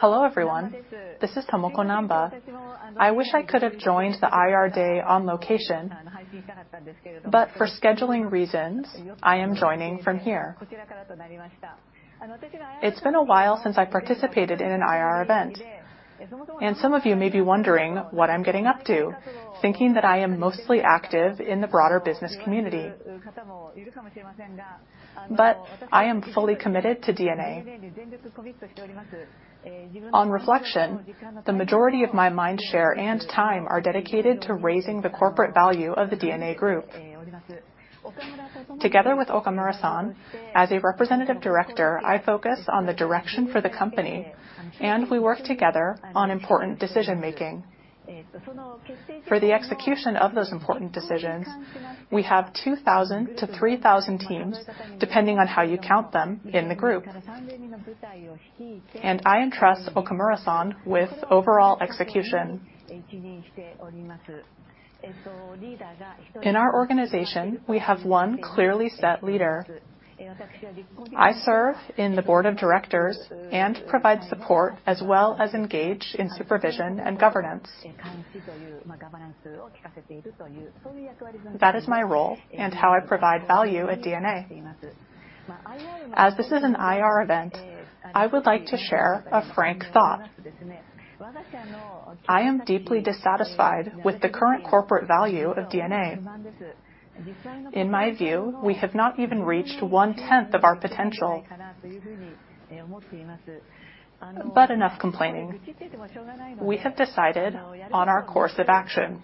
Hello, everyone. This is Tomoko Namba. I wish I could have joined the IR day on location, but for scheduling reasons, I am joining from here. It's been a while since I participated in an IR event, and some of you may be wondering what I'm getting up to, thinking that I am mostly active in the broader business community. But I am fully committed to DeNA. On reflection, the majority of my mind share and time are dedicated to raising the corporate value of the DeNA group. Together with Okamura-san, as a representative director, I focus on the direction for the company, and we work together on important decision-making. For the execution of those important decisions, we have 2,000-3,000 teams, depending on how you count them in the group. I entrust Okamura-san with overall execution. In our organization, we have one clearly set leader. I serve in the board of directors and provide support as well as engage in supervision and governance. That is my role and how I provide value at DeNA. As this is an IR event, I would like to share a frank thought. I am deeply dissatisfied with the current corporate value of DeNA. In my view, we have not even reached 1/10 of our potential. Enough complaining. We have decided on our course of action.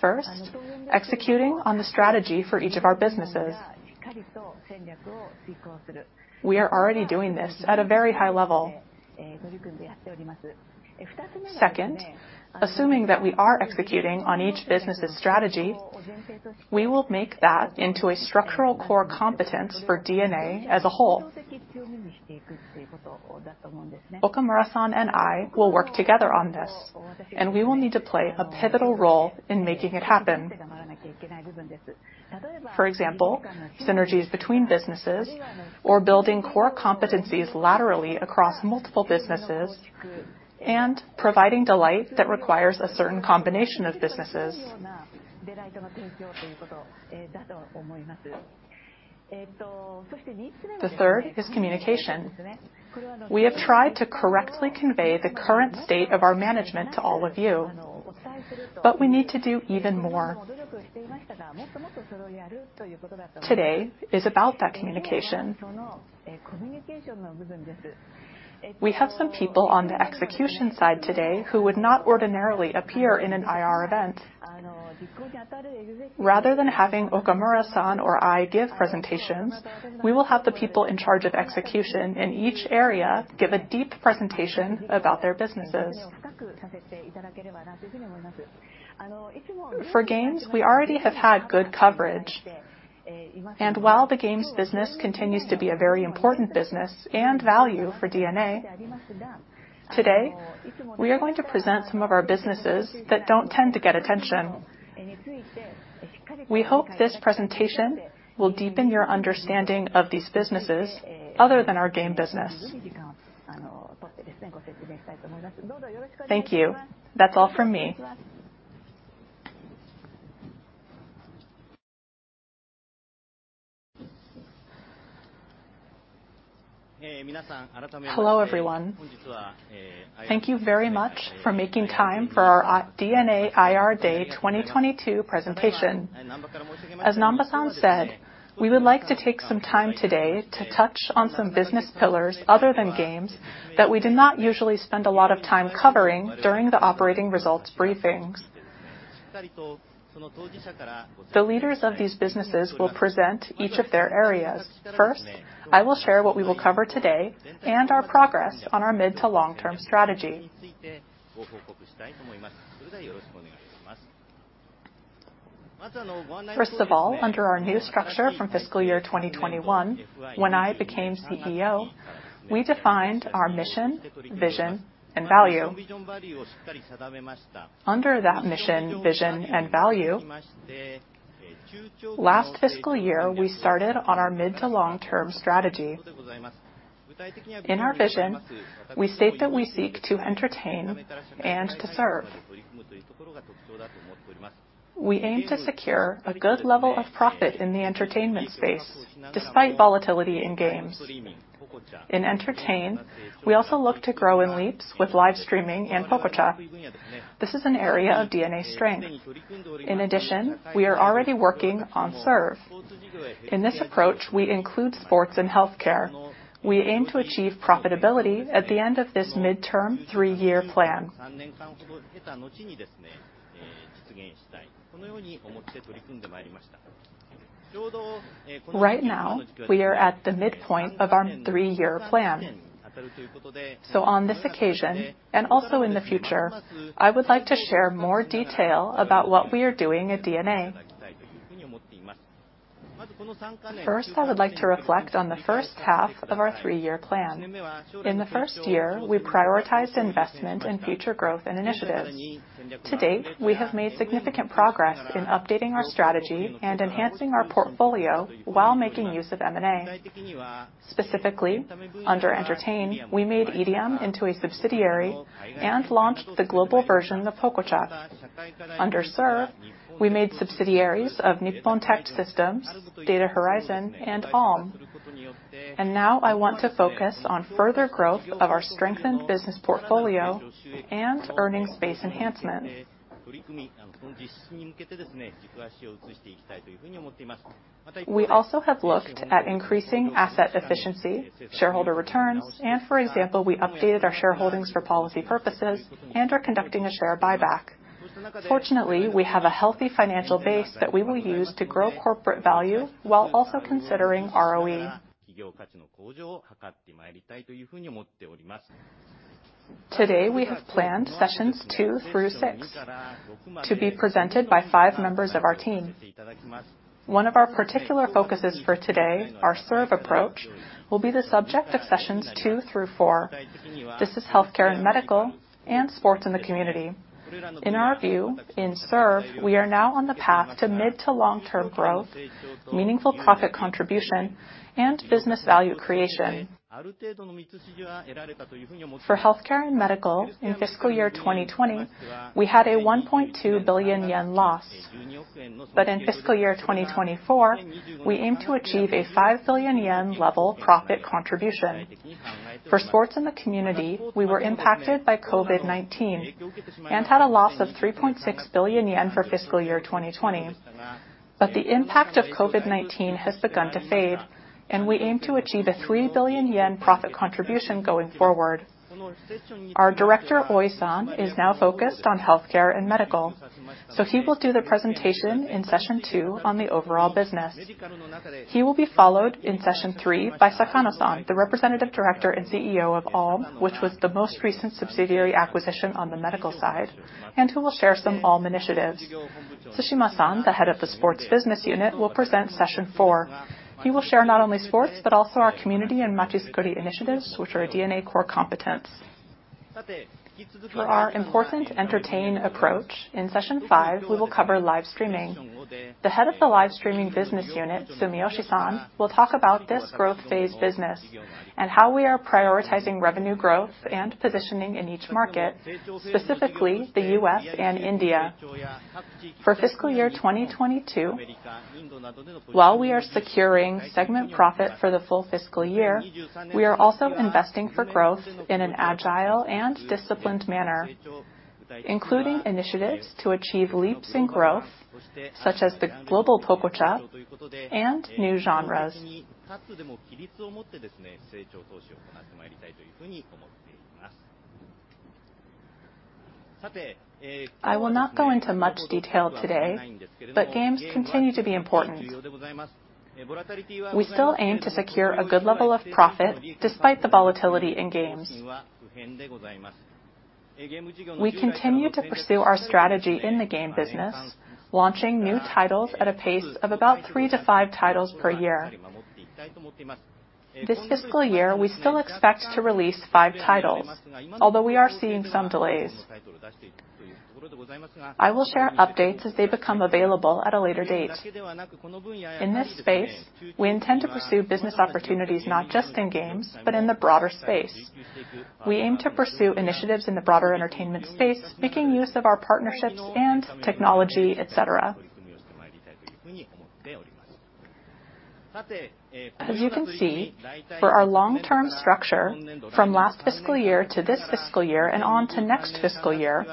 First, executing on the strategy for each of our businesses. We are already doing this at a very high level. Second, assuming that we are executing on each business' strategy, we will make that into a structural core competence for DeNA as a whole. Okamura-san and I will work together on this, and we will need to play a pivotal role in making it happen. For example, synergies between businesses or building core competencies laterally across multiple businesses and providing delight that requires a certain combination of businesses. The third is communication. We have tried to correctly convey the current state of our management to all of you, but we need to do even more. Today is about that communication. We have some people on the execution side today who would not ordinarily appear in an IR event. Rather than having Okamura-san or I give presentations, we will have the people in charge of execution in each area give a deep presentation about their businesses. For games, we already have had good coverage. While the games business continues to be a very important business and value for DeNA. Today, we are going to present some of our businesses that don't tend to get attention. We hope this presentation will deepen your understanding of these businesses other than our game business. Thank you. That's all from me. Hello, everyone. Thank you very much for making time for our DeNA IR Day 2022 presentation. As Namba-san said, we would like to take some time today to touch on some business pillars other than games that we do not usually spend a lot of time covering during the operating results briefings. The leaders of these businesses will present each of their areas. First, I will share what we will cover today and our progress on our mid to long-term strategy. First of all, under our new structure from fiscal year 2021, when I became CEO, we defined our mission, vision, and value. Under that mission, vision, and value, last fiscal year, we started on our mid to long-term strategy. In our vision, we state that we seek to entertain and to serve. We aim to secure a good level of profit in the entertainment space despite volatility in games. In entertain, we also look to grow in leaps with live streaming and Pococha. This is an area of DeNA strength. In addition, we are already working on serve. In this approach, we include sports and healthcare. We aim to achieve profitability at the end of this midterm 3-year plan. Right now, we are at the midpoint of our 3-year plan. On this occasion, and also in the future, I would like to share more detail about what we are doing at DeNA. First, I would like to reflect on the first half of our 3-year plan. In the first year, we prioritized investment in future growth and initiatives. To date, we have made significant progress in updating our strategy and enhancing our portfolio while making use of M&A. Specifically, under Entertain, we made EDM into a subsidiary and launched the global version of Pococha. Under Serve, we made subsidiaries of Nippontect Systems, DATA HORIZON and Allm. Now I want to focus on further growth of our strengthened business portfolio and earnings-based enhancement. We also have looked at increasing asset efficiency, shareholder returns, and for example, we updated our shareholdings for policy purposes and are conducting a share buyback. Fortunately, we have a healthy financial base that we will use to grow corporate value while also considering ROE. Today, we have planned sessions two through six to be presented by five members of our team. One of our particular focuses for today, our Serve approach, will be the subject of sessions two through four. This is healthcare and medical and sports in the community. In our view, in Serve, we are now on the path to mid- to long-term growth, meaningful profit contribution, and business value creation. For healthcare and medical in fiscal year 2020, we had a 1.2 billion yen loss. In fiscal year 2024, we aim to achieve a 5 billion yen level profit contribution. For sports in the community, we were impacted by COVID-19 and had a loss of 3.6 billion yen for fiscal year 2020. The impact of COVID-19 has begun to fade, and we aim to achieve a 3 billion yen profit contribution going forward. Our director, Oi-san, is now focused on healthcare and medical, so he will do the presentation in session two on the overall business. He will be followed in session three by Sakano-san, the representative director and CEO of Allm, which was the most recent subsidiary acquisition on the medical side, and who will share some Allm initiatives. Tsushima-san, the head of the sports business unit, will present session four. He will share not only sports, but also our community and machizukuri initiatives, which are a DeNA core competence. For our important entertainment approach, in session five, we will cover live streaming. The head of the live streaming business unit, Sumiyoshi-san, will talk about this growth phase business and how we are prioritizing revenue growth and positioning in each market, specifically the U.S. and India. For fiscal year 2022, while we are securing segment profit for the full fiscal year, we are also investing for growth in an agile and disciplined manner, including initiatives to achieve leaps in growth, such as the global Pococha and new genres. I will not go into much detail today, but games continue to be important. We still aim to secure a good level of profit despite the volatility in games. We continue to pursue our strategy in the game business, launching new titles at a pace of about three to five titles per year. This fiscal year, we still expect to release five titles, although we are seeing some delays. I will share updates as they become available at a later date. In this space, we intend to pursue business opportunities, not just in games, but in the broader space. We aim to pursue initiatives in the broader entertainment space, making use of our partnerships and technology, et cetera. As you can see, for our long-term structure from last fiscal year to this fiscal year and on to next fiscal year,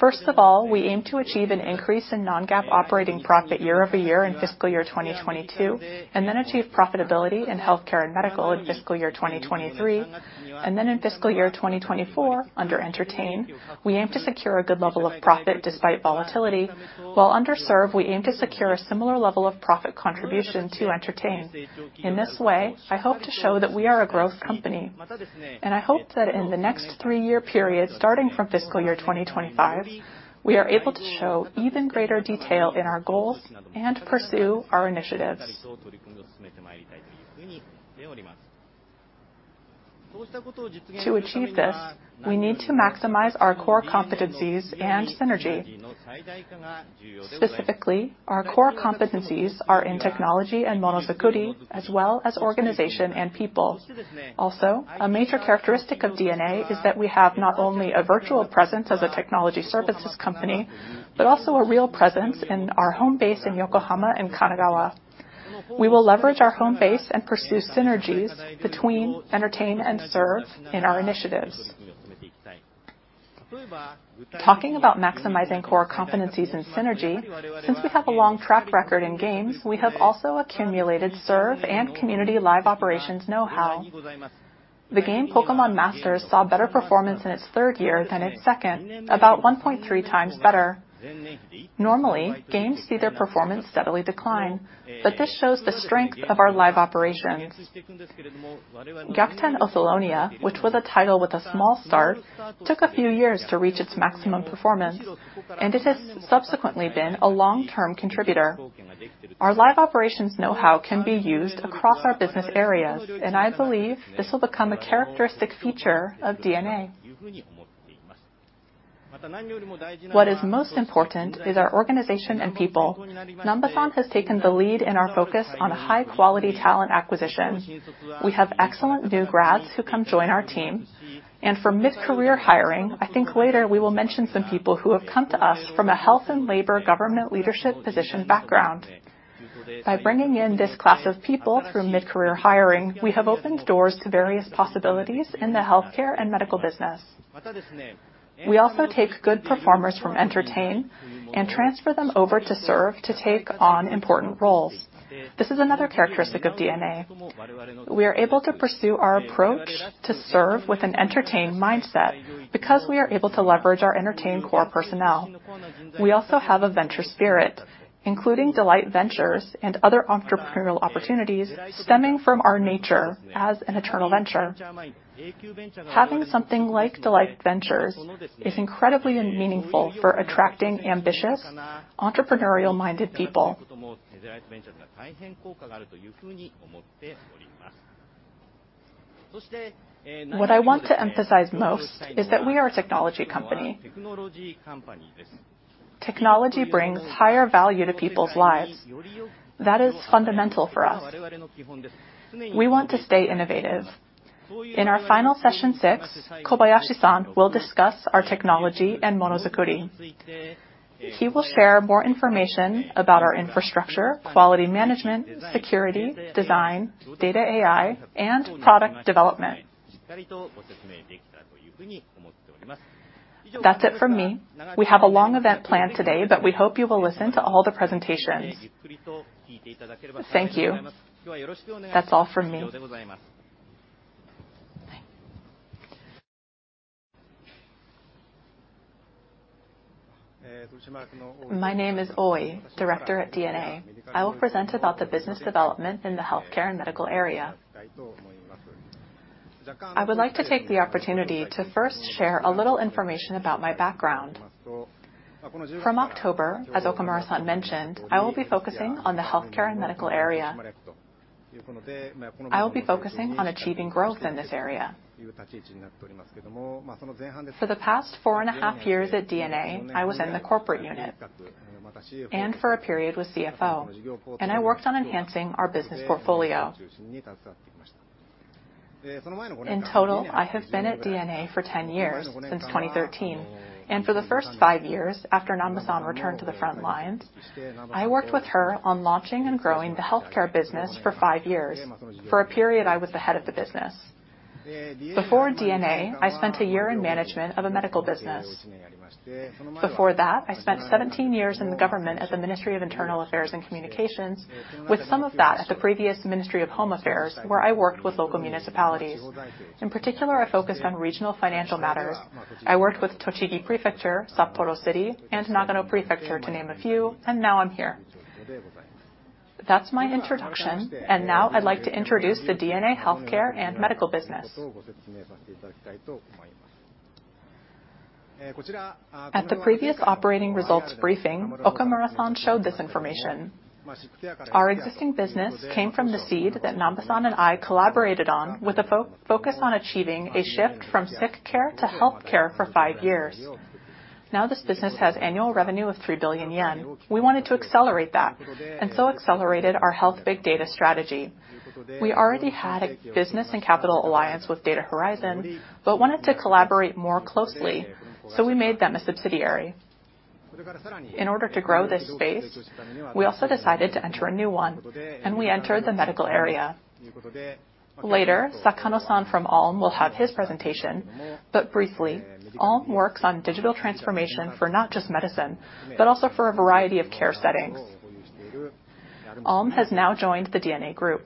first of all, we aim to achieve an increase in non-GAAP operating profit year-over-year in fiscal year 2022, and then achieve profitability in healthcare and medical in fiscal year 2023. In fiscal year 2024, under Entertain, we aim to secure a good level of profit despite volatility, while under Serve, we aim to secure a similar level of profit contribution to Entertain. In this way, I hope to show that we are a growth company, and I hope that in the next 3-year period, starting from fiscal year 2025, we are able to show even greater detail in our goals and pursue our initiatives. To achieve this, we need to maximize our core competencies and synergy. Specifically, our core competencies are in technology and Monozukuri, as well as organization and people. Also, a major characteristic of DeNA is that we have not only a virtual presence as a technology services company, but also a real presence in our home base in Yokohama and Kanagawa. We will leverage our home base and pursue synergies between Entertain and Serve in our initiatives. Talking about maximizing core competencies and synergy, since we have a long track record in games, we have also accumulated Serve and community live operations know-how. The game Pokémon Masters saw better performance in its third year than its second, about 1.3x better. Normally, games see their performance steadily decline, but this shows the strength of our live operations. Gyakuten Othellonia, which was a title with a small start, took a few years to reach its maximum performance, and it has subsequently been a long-term contributor. Our live operations know-how can be used across our business areas, and I believe this will become a characteristic feature of DeNA. What is most important is our organization and people. Namba-san has taken the lead in our focus on high-quality talent acquisition. We have excellent new grads who come join our team, and for mid-career hiring, I think later we will mention some people who have come to us from a Ministry of Health, Labour and Welfare government leadership position background. By bringing in this class of people through mid-career hiring, we have opened doors to various possibilities in the healthcare and medical business. We also take good performers from entertainment and transfer them over to serve to take on important roles. This is another characteristic of DeNA. We are able to pursue our approach to serve with an entertainment mindset because we are able to leverage our entertainment core personnel. We also have a venture spirit, including Delight Ventures and other entrepreneurial opportunities stemming from our nature as an internal venture. Having something like Delight Ventures is incredibly meaningful for attracting ambitious, entrepreneurial-minded people. What I want to emphasize most is that we are a technology company. Technology brings higher value to people's lives. That is fundamental for us. We want to stay innovative. In our final session six, Kobayashi-san will discuss our technology and Monozukuri. He will share more information about our infrastructure, quality management, security, design, data AI, and product development. That's it from me. We have a long event planned today, but we hope you will listen to all the presentations. Thank you. That's all from me. My name is Oi, Director at DeNA. I will present about the business development in the healthcare and medical area. I would like to take the opportunity to first share a little information about my background. From October, as Okamura-san mentioned, I will be focusing on the healthcare and medical area. I will be focusing on achieving growth in this area. For the past four and a half years at DeNA, I was in the corporate unit, and for a period as CFO, and I worked on enhancing our business portfolio. In total, I have been at DeNA for 10 years, since 2013, and for the first five years, after Namba-san returned to the front lines, I worked with her on launching and growing the healthcare business for 5five years. For a period, I was the head of the business. Before DeNA, I spent a year in management of a medical business. Before that, I spent 17 years in the government at the Ministry of Internal Affairs and Communications, with some of that at the previous Ministry of Home Affairs, where I worked with local municipalities. In particular, I focused on regional financial matters. I worked with Tochigi Prefecture, Sapporo City, and Nagano Prefecture, to name a few, and now I'm here. That's my introduction, and now I'd like to introduce the DeNA healthcare and medical business. At the previous operating results briefing, Okamura-san showed this information. Our existing business came from the seed that Namba-san and I collaborated on with a focus on achieving a shift from sick care to health care for five years. Now this business has annual revenue of 3 billion yen. We wanted to accelerate that, and so accelerated our health big data strategy. We already had a business and capital alliance with DATA HORIZON, but wanted to collaborate more closely, so we made them a subsidiary. In order to grow this space, we also decided to enter a new one, and we entered the medical area. Later, Sakano-san from Allm will have his presentation, but briefly, Allm works on digital transformation for not just medicine, but also for a variety of care settings. Allm has now joined the DeNA group.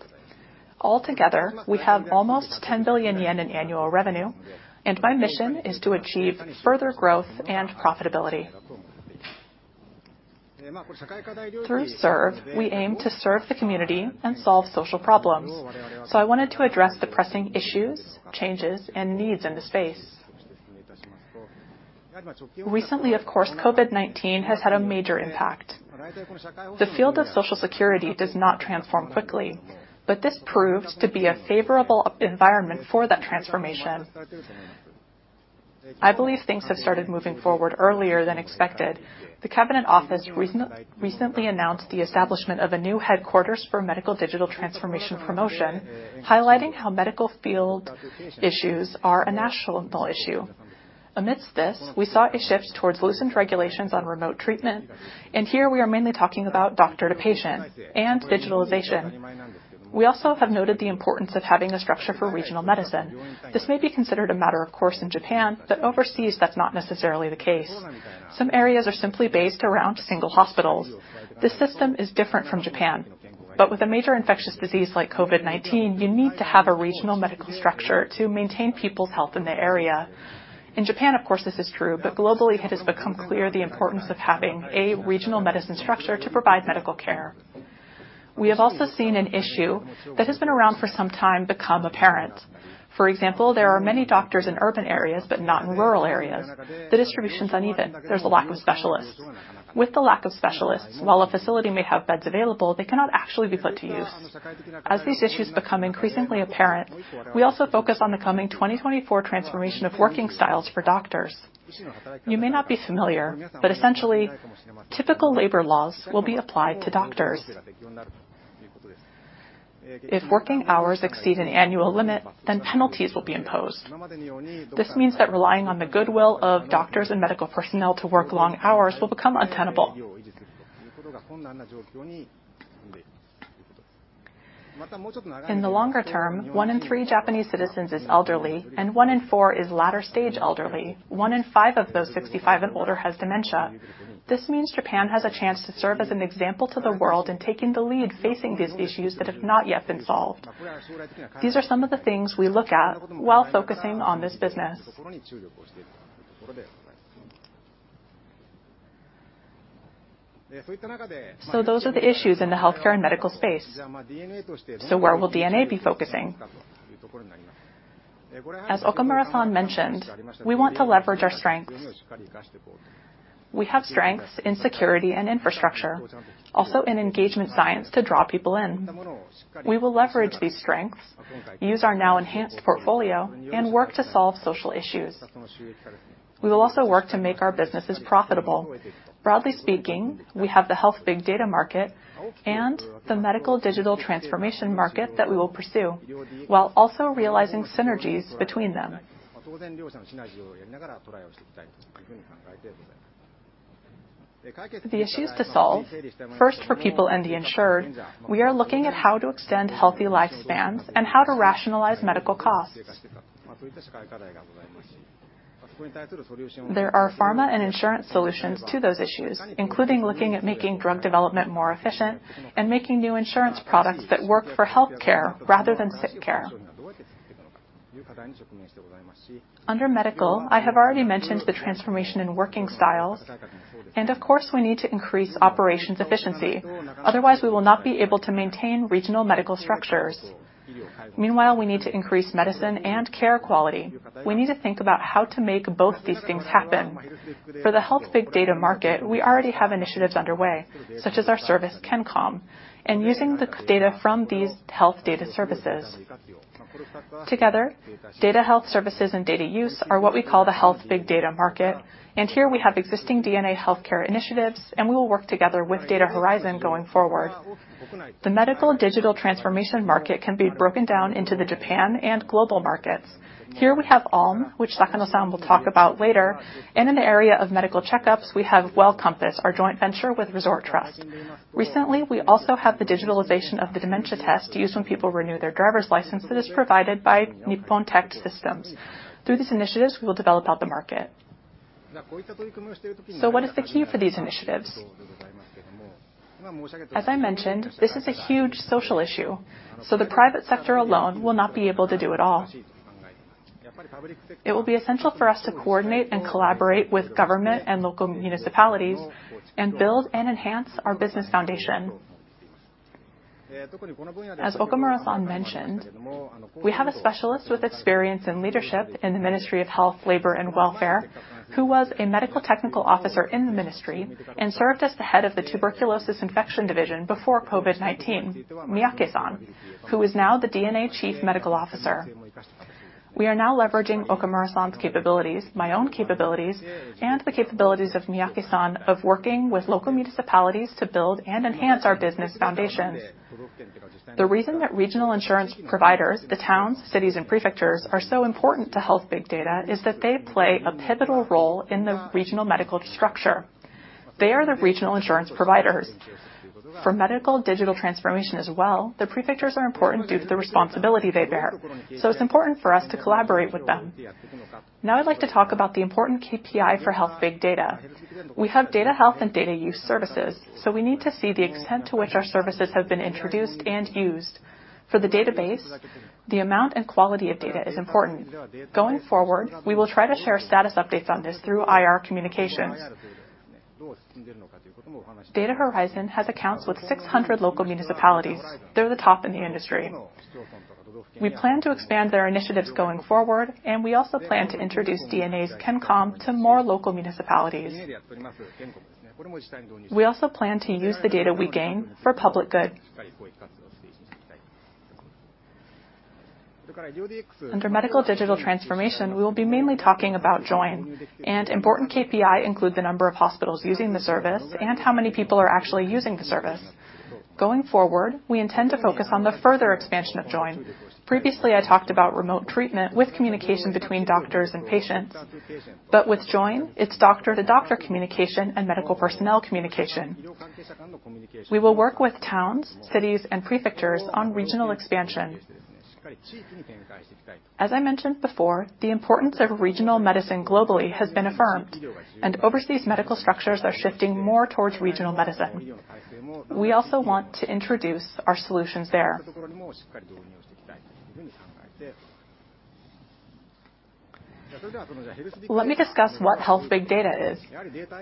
All together, we have almost 10 billion yen in annual revenue, and my mission is to achieve further growth and profitability. Through Serve, we aim to serve the community and solve social problems. I wanted to address the pressing issues, changes, and needs in the space. Recently, of course, COVID-19 has had a major impact. The field of social security does not transform quickly, but this proved to be a favorable environment for that transformation. I believe things have started moving forward earlier than expected. The Cabinet Office recently announced the establishment of a new headquarters for medical digital transformation promotion, highlighting how medical field issues are a national issue. Amidst this, we saw a shift towards loosened regulations on remote treatment, and here we are mainly talking about doctor to patient and digitalization. We also have noted the importance of having a structure for regional medicine. This may be considered a matter of course in Japan, but overseas, that's not necessarily the case. Some areas are simply based around single hospitals. This system is different from Japan, but with a major infectious disease like COVID-19, you need to have a regional medical structure to maintain people's health in the area. In Japan, of course, this is true, but globally, it has become clear the importance of having a regional medicine structure to provide medical care. We have also seen an issue that has been around for some time become apparent. For example, there are many doctors in urban areas, but not in rural areas. The distribution is uneven. There's a lack of specialists. With the lack of specialists, while a facility may have beds available, they cannot actually be put to use. As these issues become increasingly apparent, we also focus on the coming 2024 transformation of working styles for doctors. You may not be familiar, but essentially, typical labor laws will be applied to doctors. If working hours exceed an annual limit, then penalties will be imposed. This means that relying on the goodwill of doctors and medical personnel to work long hours will become untenable. In the longer term, 1/3 Japanese citizens is elderly, and 1/4 is latter-stage elderly. 1/5 of those 65 and older has dementia. This means Japan has a chance to serve as an example to the world in taking the lead facing these issues that have not yet been solved. These are some of the things we look at while focusing on this business. Those are the issues in the healthcare and medical space. Where will DeNA be focusing? As Okamura-san mentioned, we want to leverage our strengths. We have strengths in security and infrastructure, also in engagement science to draw people in. We will leverage these strengths, use our now enhanced portfolio, and work to solve social issues. We will also work to make our businesses profitable. Broadly speaking, we have the health big data market and the medical digital transformation market that we will pursue, while also realizing synergies between them. The issues to solve, first for people and the insured, we are looking at how to extend healthy lifespans and how to rationalize medical costs. There are pharma and insurance solutions to those issues, including looking at making drug development more efficient and making new insurance products that work for healthcare rather than sick care. Under medical, I have already mentioned the transformation in working styles, and of course, we need to increase operations efficiency. Otherwise, we will not be able to maintain regional medical structures. Meanwhile, we need to increase medicine and care quality. We need to think about how to make both these things happen. For the health big data market, we already have initiatives underway, such as our service, Kencom, and using the data from these health data services. Together, data health services and data use are what we call the health big data market. Here we have existing DeNA healthcare initiatives, and we will work together with DATA HORIZON going forward. The medical and digital transformation market can be broken down into the Japan and global markets. Here we have Allm, which Sakano-san will talk about later. In the area of medical checkups, we have Welcompass, our joint venture with Resorttrust. Recently, we also have the digitalization of the dementia test used when people renew their driver's license that is provided by Nippontect Systems. Through these initiatives, we will develop out the market. What is the key for these initiatives? As I mentioned, this is a huge social issue, so the private sector alone will not be able to do it all. It will be essential for us to coordinate and collaborate with government and local municipalities and build and enhance our business foundation. As Okamura-san mentioned, we have a specialist with experience in leadership in the Ministry of Health, Labor, and Welfare, who was a medical technical officer in the ministry and served as the head of the Tuberculosis and Infectious Disease Control Division before COVID-19, Miyake-san, who is now the DeNA Chief Medical Officer. We are now leveraging Okamura-san's capabilities, my own capabilities, and the capabilities of Miyake-san of working with local municipalities to build and enhance our business foundations. The reason that regional insurance providers, the towns, cities, and prefectures, are so important to health big data is that they play a pivotal role in the regional medical structure. They are the regional insurance providers. For medical digital transformation as well, the prefectures are important due to the responsibility they bear. It's important for us to collaborate with them. Now I'd like to talk about the important KPI for health big data. We have data health and data use services, so we need to see the extent to which our services have been introduced and used. For the database, the amount and quality of data is important. Going forward, we will try to share status updates on this through IR communications. DATA HORIZON has accounts with 600 local municipalities. They're the top in the industry. We plan to expand their initiatives going forward, and we also plan to introduce DeNA's Kencom to more local municipalities. We also plan to use the data we gain for public good. Under medical digital transformation, we will be mainly talking about Join, and important KPI include the number of hospitals using the service and how many people are actually using the service. Going forward, we intend to focus on the further expansion of Join. Previously, I talked about remote treatment with communication between doctors and patients. With Join, it's doctor-to-doctor communication and medical personnel communication. We will work with towns, cities, and prefectures on regional expansion. As I mentioned before, the importance of regional medicine globally has been affirmed, and overseas medical structures are shifting more towards regional medicine. We also want to introduce our solutions there. Let me discuss what health big data is.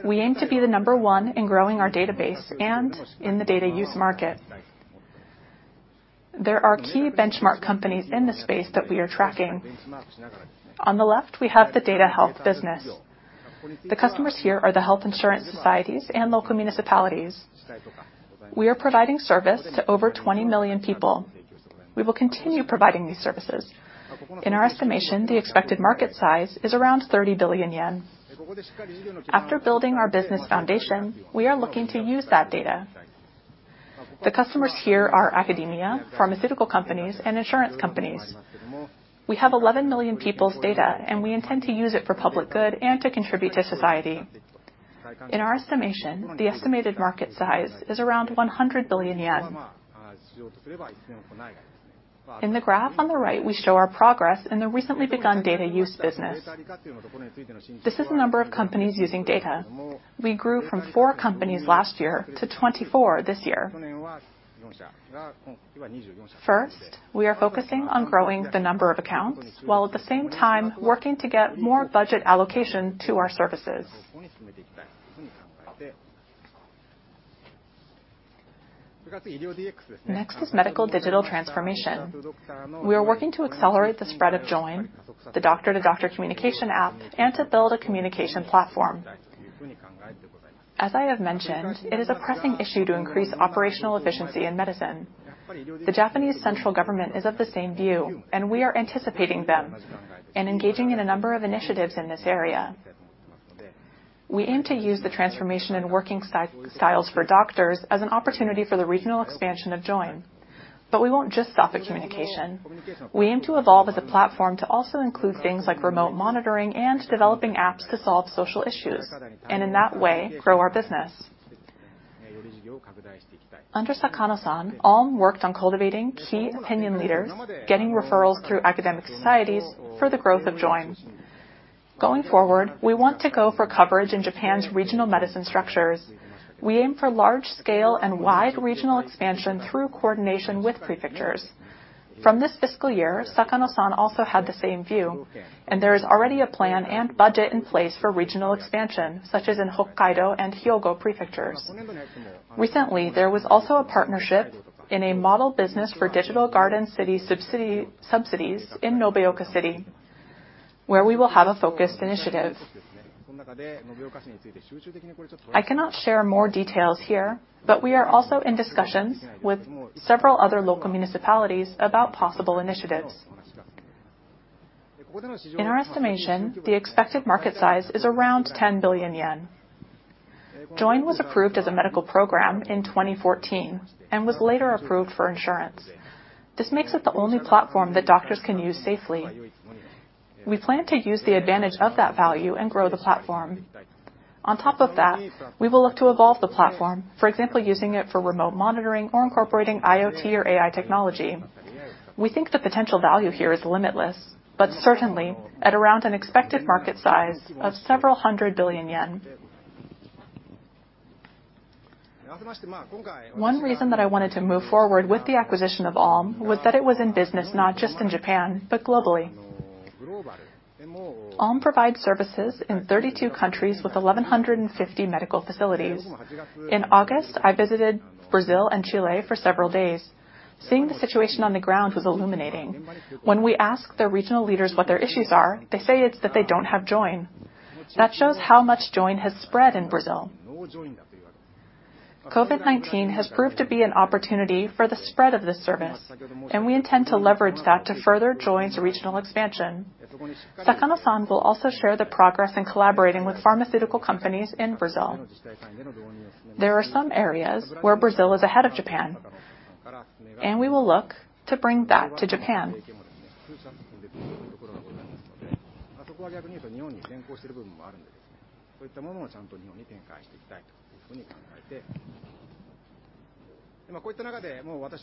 We aim to be the number one in growing our database and in the data use market. There are key benchmark companies in the space that we are tracking. On the left, we have the data health business. The customers here are the health insurance societies and local municipalities. We are providing service to over 20 million people. We will continue providing these services. In our estimation, the expected market size is around 30 billion yen. After building our business foundation, we are looking to use that data. The customers here are academia, pharmaceutical companies, and insurance companies. We have 11 million people's data, and we intend to use it for public good and to contribute to society. In our estimation, the estimated market size is around 100 billion yen. In the graph on the right, we show our progress in the recently begun data use business. This is the number of companies using data. We grew from four companies last year to 24 this year. First, we are focusing on growing the number of accounts, while at the same time working to get more budget allocation to our services. Next is medical digital transformation. We are working to accelerate the spread of Join, the doctor-to-doctor communication app, and to build a communication platform. As I have mentioned, it is a pressing issue to increase operational efficiency in medicine. The Japanese central government is of the same view, and we are anticipating them and engaging in a number of initiatives in this area. We aim to use the transformation in working styles for doctors as an opportunity for the regional expansion of Join. We won't just stop at communication. We aim to evolve as a platform to also include things like remote monitoring and developing apps to solve social issues, and in that way, grow our business. Under Sakano-san, Allm worked on cultivating key opinion leaders, getting referrals through academic societies for the growth of Join. Going forward, we want to go for coverage in Japan's regional medicine structures. We aim for large scale and wide regional expansion through coordination with prefectures. From this fiscal year, Sakano-san also had the same view, and there is already a plan and budget in place for regional expansion, such as in Hokkaido and Hyogo prefectures. Recently, there was also a partnership in a model business for Digital Garden City subsidies in Nobeoka City, where we will have a focused initiative. I cannot share more details here, but we are also in discussions with several other local municipalities about possible initiatives. In our estimation, the expected market size is around 10 billion yen. Join was approved as a medical program in 2014 and was later approved for insurance. This makes it the only platform that doctors can use safely. We plan to use the advantage of that value and grow the platform. On top of that, we will look to evolve the platform, for example, using it for remote monitoring or incorporating IoT or AI technology. We think the potential value here is limitless, but certainly at around an expected market size of JPY several hundred billion. One reason that I wanted to move forward with the acquisition of Allm was that it was in business not just in Japan, but globally. Allm provides services in 32 countries with 1,150 medical facilities. In August, I visited Brazil and Chile for several days. Seeing the situation on the ground was illuminating. When we ask the regional leaders what their issues are, they say it's that they don't have Join. That shows how much Join has spread in Brazil. COVID-19 has proved to be an opportunity for the spread of this service, and we intend to leverage that to further Join's regional expansion. Sakano-san will also share the progress in collaborating with pharmaceutical companies in Brazil. There are some areas where Brazil is ahead of Japan, and we will look to bring that to Japan.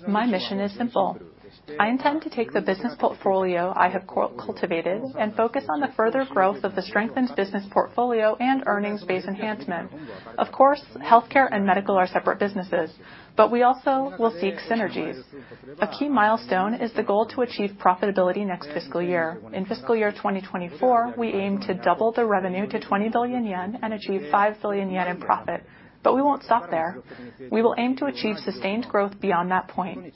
My mission is simple. I intend to take the business portfolio I have cultivated and focus on the further growth of the strengthened business portfolio and earnings-based enhancement. Of course, healthcare and medical are separate businesses, but we also will seek synergies. A key milestone is the goal to achieve profitability next fiscal year. In fiscal year 2024, we aim to double the revenue to 20 billion yen and achieve 5 billion yen in profit. We won't stop there. We will aim to achieve sustained growth beyond that point.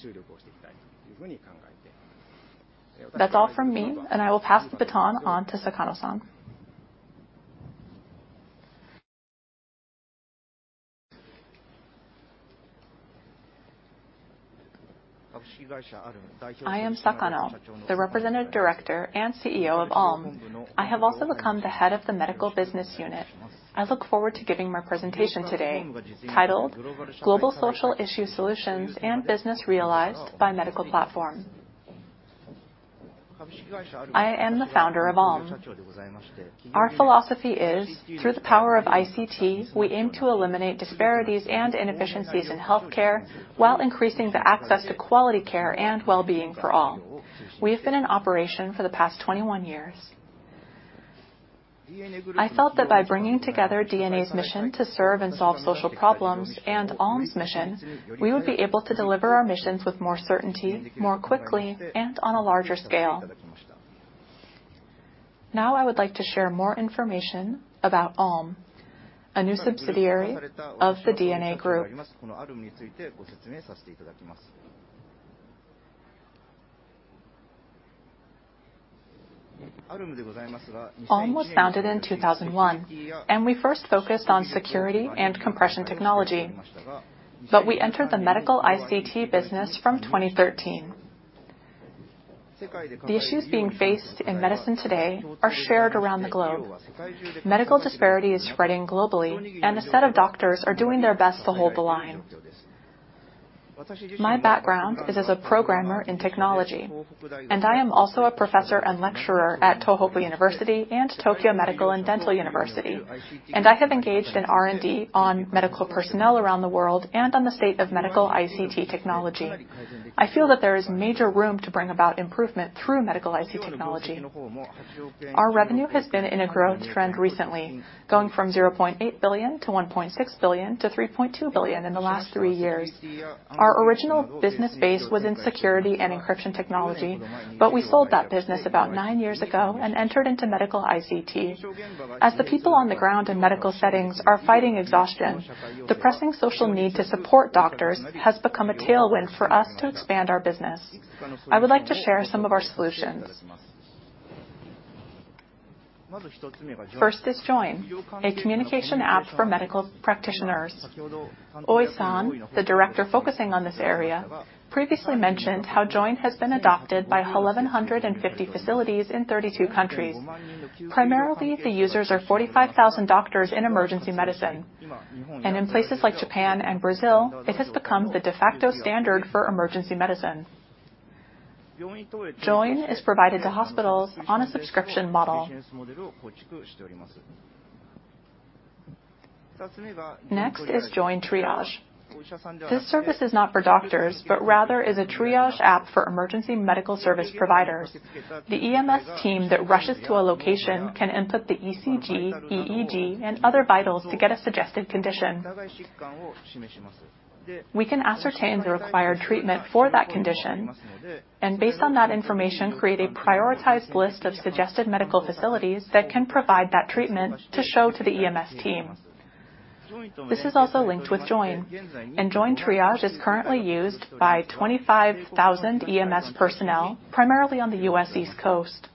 That's all from me, and I will pass the baton on to Sakano-san. I am Sakano, the Representative Director and CEO of Allm. I have also become the head of the Medical Business Unit. I look forward to giving my presentation today titled Global Social Issue Solutions and Business Realized by Medical Platform. I am the founder of Allm. Our philosophy is through the power of ICT, we aim to eliminate disparities and inefficiencies in healthcare while increasing the access to quality care and well-being for all. We have been in operation for the past 21 years. I felt that by bringing together DeNA's mission to serve and solve social problems and Allm's mission, we would be able to deliver our missions with more certainty, more quickly, and on a larger scale. Now I would like to share more information about Allm, a new subsidiary of the DeNA group. Allm was founded in 2001, and we first focused on security and compression technology. We entered the medical ICT business from 2013. The issues being faced in medicine today are shared around the globe. Medical disparity is spreading globally, and a set of doctors are doing their best to hold the line. My background is as a programmer in technology, and I am also a professor and lecturer at Tohoku University and Tokyo Medical and Dental University, and I have engaged in R&D on medical personnel around the world and on the state of medical ICT technology. I feel that there is major room to bring about improvement through medical ICT technology. Our revenue has been in a growth trend recently, going from 0.8 billion-1.6 billion-JPY 3.2 billion in the last three years. Our original business base was in security and encryption technology, but we sold that business about nine years ago and entered into medical ICT. As the people on the ground in medical settings are fighting exhaustion, the pressing social need to support doctors has become a tailwind for us to expand our business. I would like to share some of our solutions. First is Join, a communication app for medical practitioners. Oi-san, the director focusing on this area, previously mentioned how Join has been adopted by 1,150 facilities in 32 countries. Primarily, the users are 45,000 doctors in emergency medicine, and in places like Japan and Brazil, it has become the de facto standard for emergency medicine. Join is provided to hospitals on a subscription model. Next is JoinTriage. This service is not for doctors, but rather is a triage app for emergency medical service providers. The EMS team that rushes to a location can input the ECG, EEG, and other vitals to get a suggested condition. We can ascertain the required treatment for that condition and based on that information, create a prioritized list of suggested medical facilities that can provide that treatment to show to the EMS team. This is also linked with Join, and JoinTriage is currently used by 25,000 EMS personnel, primarily on the U.S. East Coast.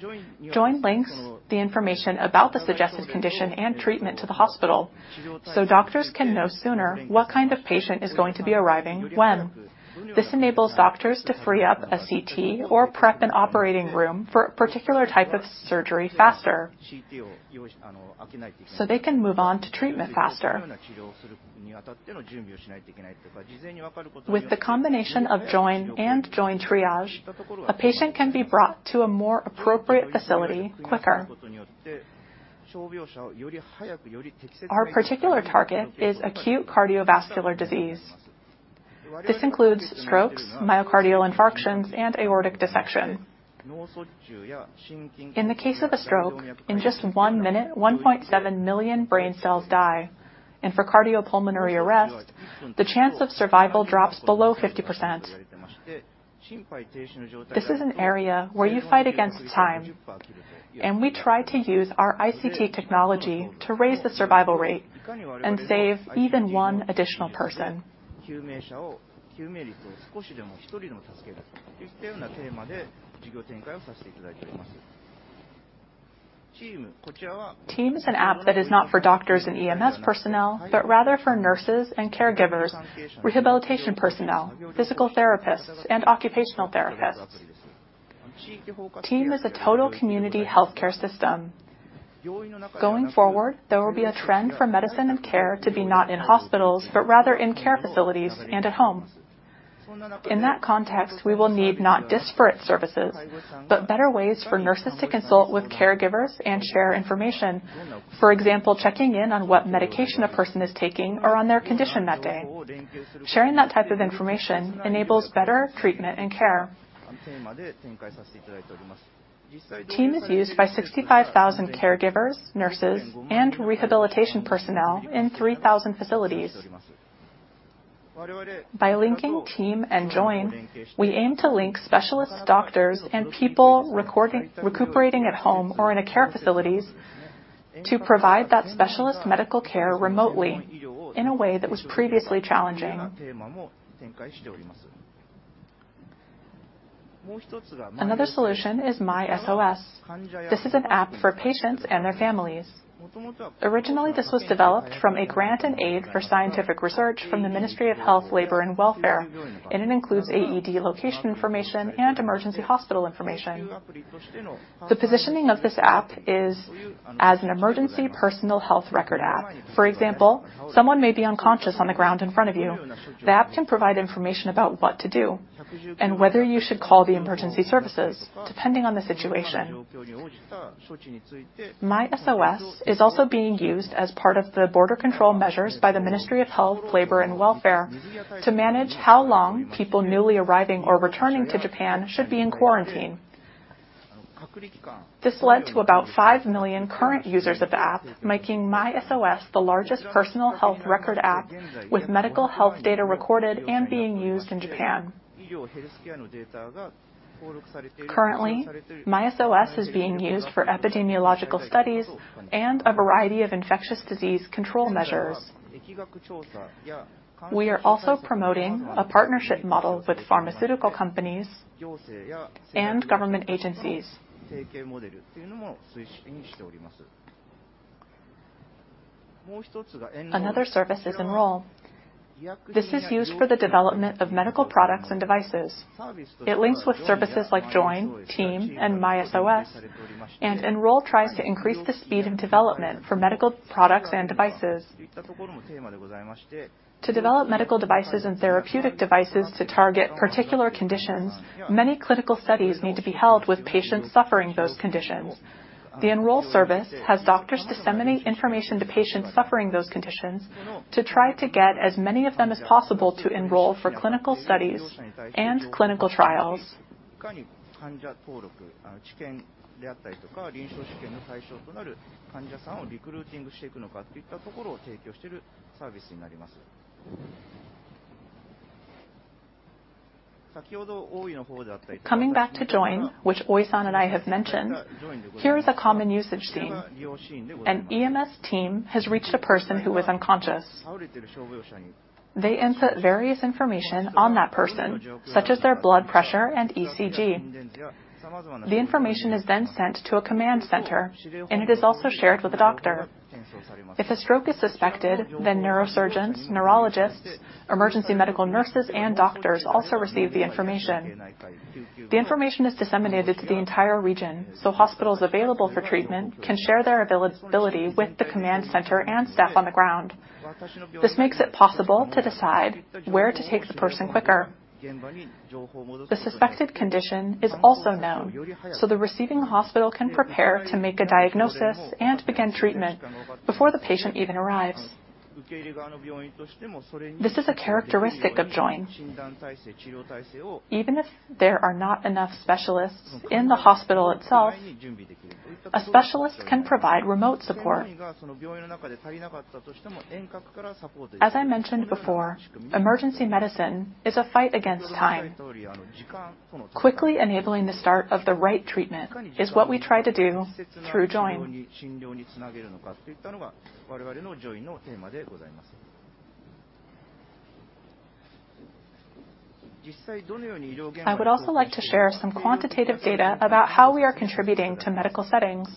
Join links the information about the suggested condition and treatment to the hospital, so doctors can know sooner what kind of patient is going to be arriving when. This enables doctors to free up a CT or prep an operating room for a particular type of surgery faster, so they can move on to treatment faster. With the combination of Join and JoinTriage, a patient can be brought to a more appropriate facility quicker. Our particular target is acute cardiovascular disease. This includes strokes, myocardial infarctions, and aortic dissection. In the case of a stroke, in just one minute, 1.7 million brain cells die, and for cardiopulmonary arrest, the chance of survival drops below 50%. This is an area where you fight against time, and we try to use our ICT technology to raise the survival rate and save even one additional person. Team is an app that is not for doctors and EMS personnel, but rather for nurses and caregivers, rehabilitation personnel, physical therapists and occupational therapists. Team is a total community healthcare system. Going forward, there will be a trend for medicine and care to be not in hospitals, but rather in care facilities and at home. In that context, we will need not disparate services, but better ways for nurses to consult with caregivers and share information. For example, checking in on what medication a person is taking or on their condition that day. Sharing that type of information enables better treatment and care. Team is used by 65,000 caregivers, nurses, and rehabilitation personnel in 3,000 facilities. By linking Team and Join, we aim to link specialist doctors and people recuperating at home or in a care facilities to provide that specialist medical care remotely in a way that was previously challenging. Another solution is MySOS. This is an app for patients and their families. Originally, this was developed from a grant and aid for scientific research from the Ministry of Health, Labor, and Welfare, and it includes AED location information and emergency hospital information. The positioning of this app is as an emergency personal health record app. For example, someone may be unconscious on the ground in front of you. The app can provide information about what to do and whether you should call the emergency services, depending on the situation. MySOS is also being used as part of the border control measures by the Ministry of Health, Labor, and Welfare to manage how long people newly arriving or returning to Japan should be in quarantine. This led to about five million current users of the app, making MySOS the largest personal health record app with medical health data recorded and being used in Japan. Currently, MySOS is being used for epidemiological studies and a variety of infectious disease control measures. We are also promoting a partnership model with pharmaceutical companies and government agencies. Another service is Enroll. This is used for the development of medical products and devices. It links with services like Join, Team, and MySOS. Enroll tries to increase the speed of development for medical products and devices. To develop medical devices and therapeutic devices to target particular conditions, many clinical studies need to be held with patients suffering those conditions. The Enroll service has doctors disseminating information to patients suffering those conditions to try to get as many of them as possible to enroll for clinical studies and clinical trials. Coming back to Join, which Oi-san and I have mentioned, here is a common usage scene. An EMS team has reached a person who was unconscious. They insert various information on that person, such as their blood pressure and ECG. The information is then sent to a command center, and it is also shared with a doctor. If a stroke is suspected, then neurosurgeons, neurologists, emergency medical nurses, and doctors also receive the information. The information is disseminated to the entire region, so hospitals available for treatment can share their availability with the command center and staff on the ground. This makes it possible to decide where to take the person quicker. The suspected condition is also known, so the receiving hospital can prepare to make a diagnosis and begin treatment before the patient even arrives. This is a characteristic of Join. Even if there are not enough specialists in the hospital itself, a specialist can provide remote support. As I mentioned before, emergency medicine is a fight against time. Quickly enabling the start of the right treatment is what we try to do through Join. I would also like to share some quantitative data about how we are contributing to medical settings.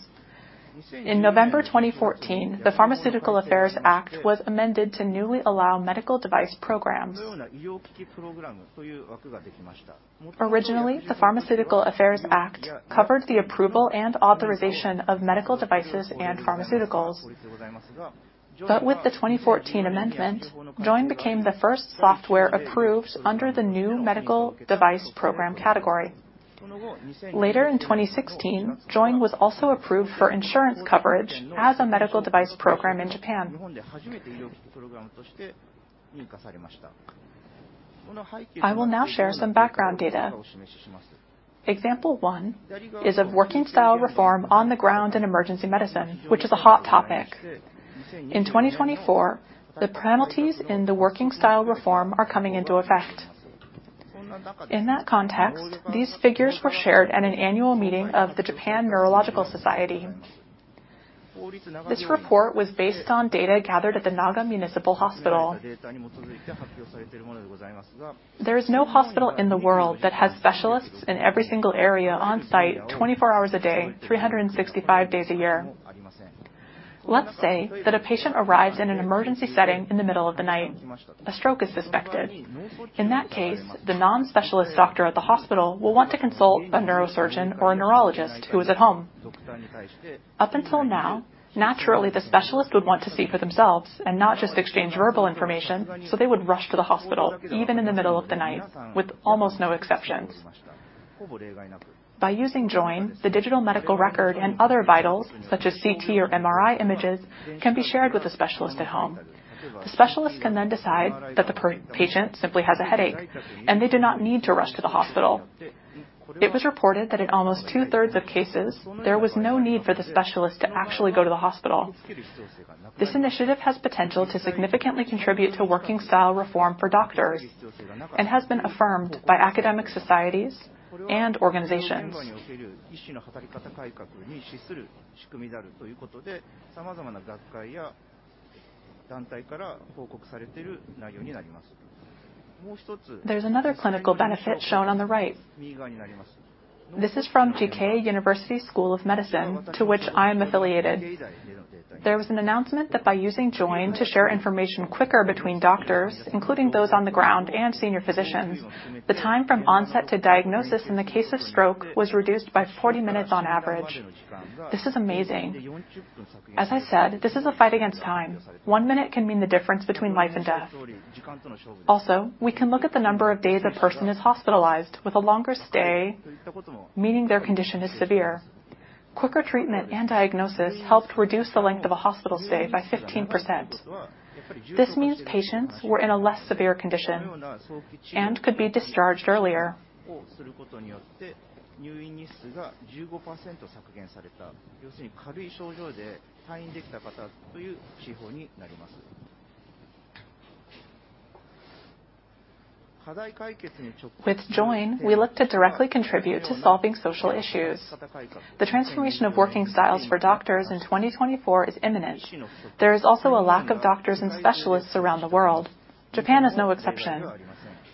In November 2014, the Pharmaceutical Affairs Act was amended to newly allow medical device programs. Originally, the Pharmaceutical Affairs Act covered the approval and authorization of medical devices and pharmaceuticals. With the 2014 amendment, Join became the first software approved under the new medical device program category. Later in 2016, Join was also approved for insurance coverage as a medical device program in Japan. I will now share some background data. Example one is a working style reform on the ground in emergency medicine, which is a hot topic. In 2024, the penalties in the working style reform are coming into effect. In that context, these figures were shared at an annual meeting of the Japanese Society of Neurology. This report was based on data gathered at the Naga City Hospital. There is no hospital in the world that has specialists in every single area on-site, 24 hours a day, 365 days a year. Let's say that a patient arrives in an emergency setting in the middle of the night. A stroke is suspected. In that case, the non-specialist doctor at the hospital will want to consult a neurosurgeon or a neurologist who is at home. Up until now, naturally, the specialist would want to see for themselves and not just exchange verbal information, so they would rush to the hospital, even in the middle of the night, with almost no exceptions. By using Join, the digital medical record and other vitals, such as CT or MRI images, can be shared with the specialist at home. The specialist can then decide that the patient simply has a headache, and they do not need to rush to the hospital. It was reported that in almost 2/3 of cases, there was no need for the specialist to actually go to the hospital. This initiative has potential to significantly contribute to working style reform for doctors and has been affirmed by academic societies and organizations. There's another clinical benefit shown on the right. This is from The Jikei University School of Medicine, to which I am affiliated. There was an announcement that by using Join to share information quicker between doctors, including those on the ground and senior physicians. The time from onset to diagnosis in the case of stroke was reduced by 40 minutes on average. This is amazing. As I said, this is a fight against time. One minute can mean the difference between life and death. Also, we can look at the number of days a person is hospitalized, with a longer stay, meaning their condition is severe. Quicker treatment and diagnosis helped reduce the length of a hospital stay by 15%. This means patients were in a less severe condition and could be discharged earlier. With Join, we look to directly contribute to solving social issues. The transformation of working styles for doctors in 2024 is imminent. There is also a lack of doctors and specialists around the world. Japan is no exception.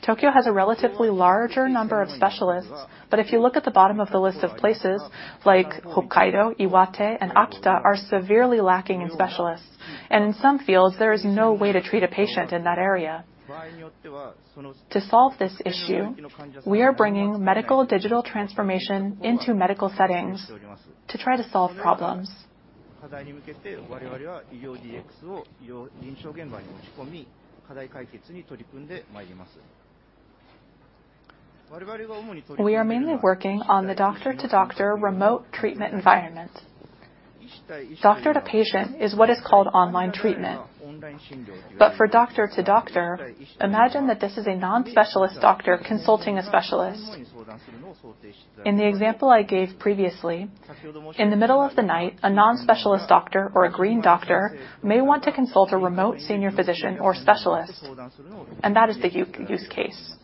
Tokyo has a relatively larger number of specialists, but if you look at the bottom of the list of places like Hokkaido, Iwate, and Akita are severely lacking in specialists, and in some fields, there is no way to treat a patient in that area. To solve this issue, we are bringing medical digital transformation into medical settings to try to solve problems. We are mainly working on the doctor-to-doctor remote treatment environment. Doctor-to-patient is what is called online treatment. For doctor-to-doctor, imagine that this is a non-specialist doctor consulting a specialist. In the example I gave previously, in the middle of the night, a non-specialist doctor or a green doctor may want to consult a remote senior physician or specialist, and that is the use case.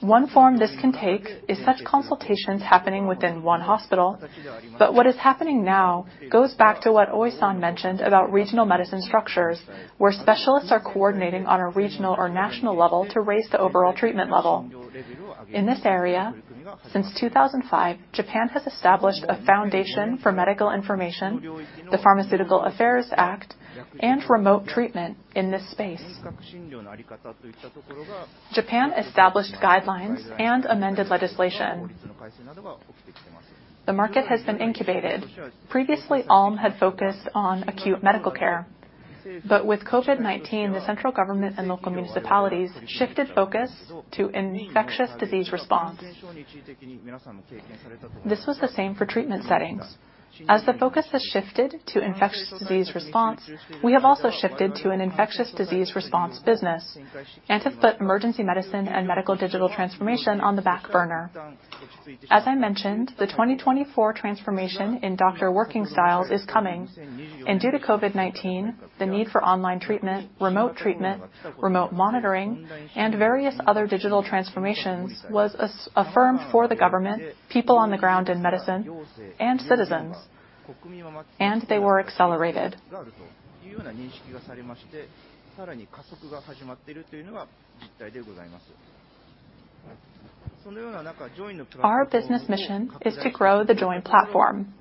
One form this can take is such consultations happening within one hospital. What is happening now goes back to what Oi-san mentioned about regional medicine structures, where specialists are coordinating on a regional or national level to raise the overall treatment level. In this area, since 2005, Japan has established a foundation for medical information, the Pharmaceutical Affairs Act, and remote treatment in this space. Japan established guidelines and amended legislation. The market has been incubated. Previously, Allm had focused on acute medical care, but with COVID-19, the central government and local municipalities shifted focus to infectious disease response. This was the same for treatment settings. As the focus has shifted to infectious disease response, we have also shifted to an infectious disease response business and have put emergency medicine and medical digital transformation on the back burner. As I mentioned, the 2024 transformation in doctor working styles is coming, and due to COVID-19, the need for online treatment, remote treatment, remote monitoring, and various other digital transformations was affirmed for the government, people on the ground in medicine, and citizens, and they were accelerated. Our business mission is to grow the Join platform.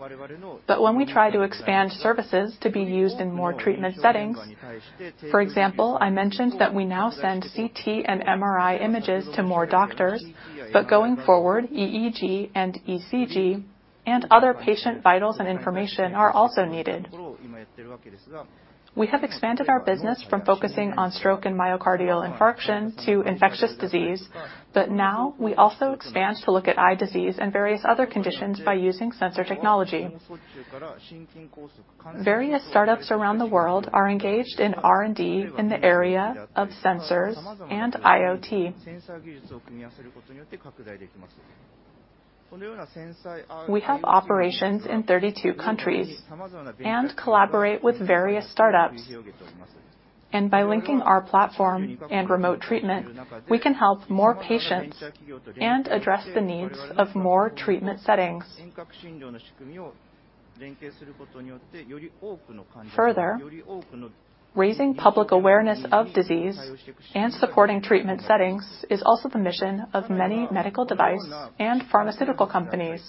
When we try to expand services to be used in more treatment settings, for example, I mentioned that we now send CT and MRI images to more doctors, but going forward, EEG and ECG and other patient vitals and information are also needed. We have expanded our business from focusing on stroke and myocardial infarction to infectious disease, but now we also expand to look at eye disease and various other conditions by using sensor technology. Various startups around the world are engaged in R&D in the area of sensors and IoT. We have operations in 32 countries and collaborate with various startups. By linking our platform and remote treatment, we can help more patients and address the needs of more treatment settings. Further, raising public awareness of disease and supporting treatment settings is also the mission of many medical device and pharmaceutical companies.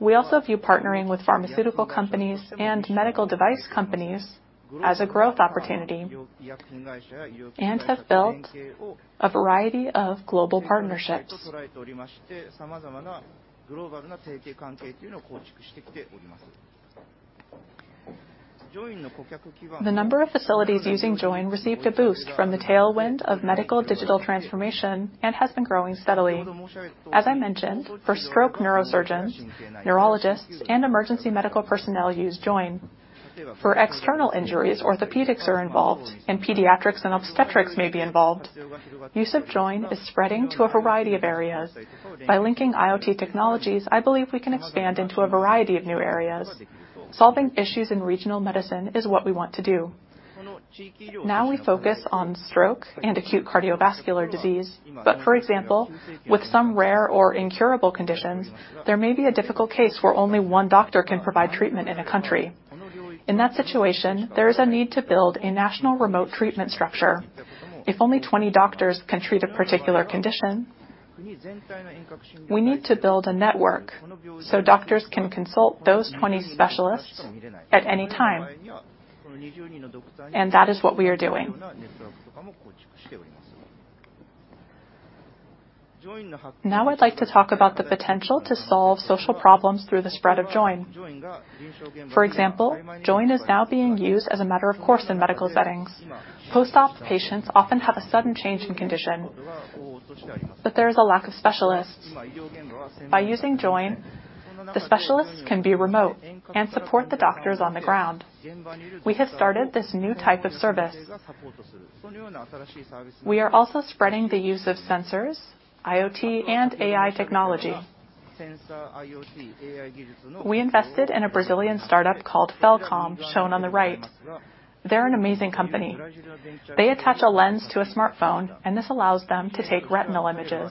We also view partnering with pharmaceutical companies and medical device companies as a growth opportunity and have built a variety of global partnerships. The number of facilities using Join received a boost from the tailwind of medical digital transformation and has been growing steadily. As I mentioned, for stroke neurosurgeons, neurologists, and emergency medical personnel use Join. For external injuries, orthopedics are involved, and pediatrics and obstetrics may be involved. Use of Join is spreading to a variety of areas. By linking IoT technologies, I believe we can expand into a variety of new areas. Solving issues in regional medicine is what we want to do. Now we focus on stroke and acute cardiovascular disease. For example, with some rare or incurable conditions, there may be a difficult case where only one doctor can provide treatment in a country. In that situation, there is a need to build a national remote treatment structure. If only 20 doctors can treat a particular condition, we need to build a network so doctors can consult those 20 specialists at any time. That is what we are doing. Now I'd like to talk about the potential to solve social problems through the spread of Join. For example, Join is now being used as a matter of course in medical settings. Post-op patients often have a sudden change in condition, but there is a lack of specialists. By using Join, the specialists can be remote and support the doctors on the ground. We have started this new type of service. We are also spreading the use of sensors, IoT, and AI technology. We invested in a Brazilian startup called Phelcom, shown on the right. They're an amazing company. They attach a lens to a smartphone, and this allows them to take retinal images.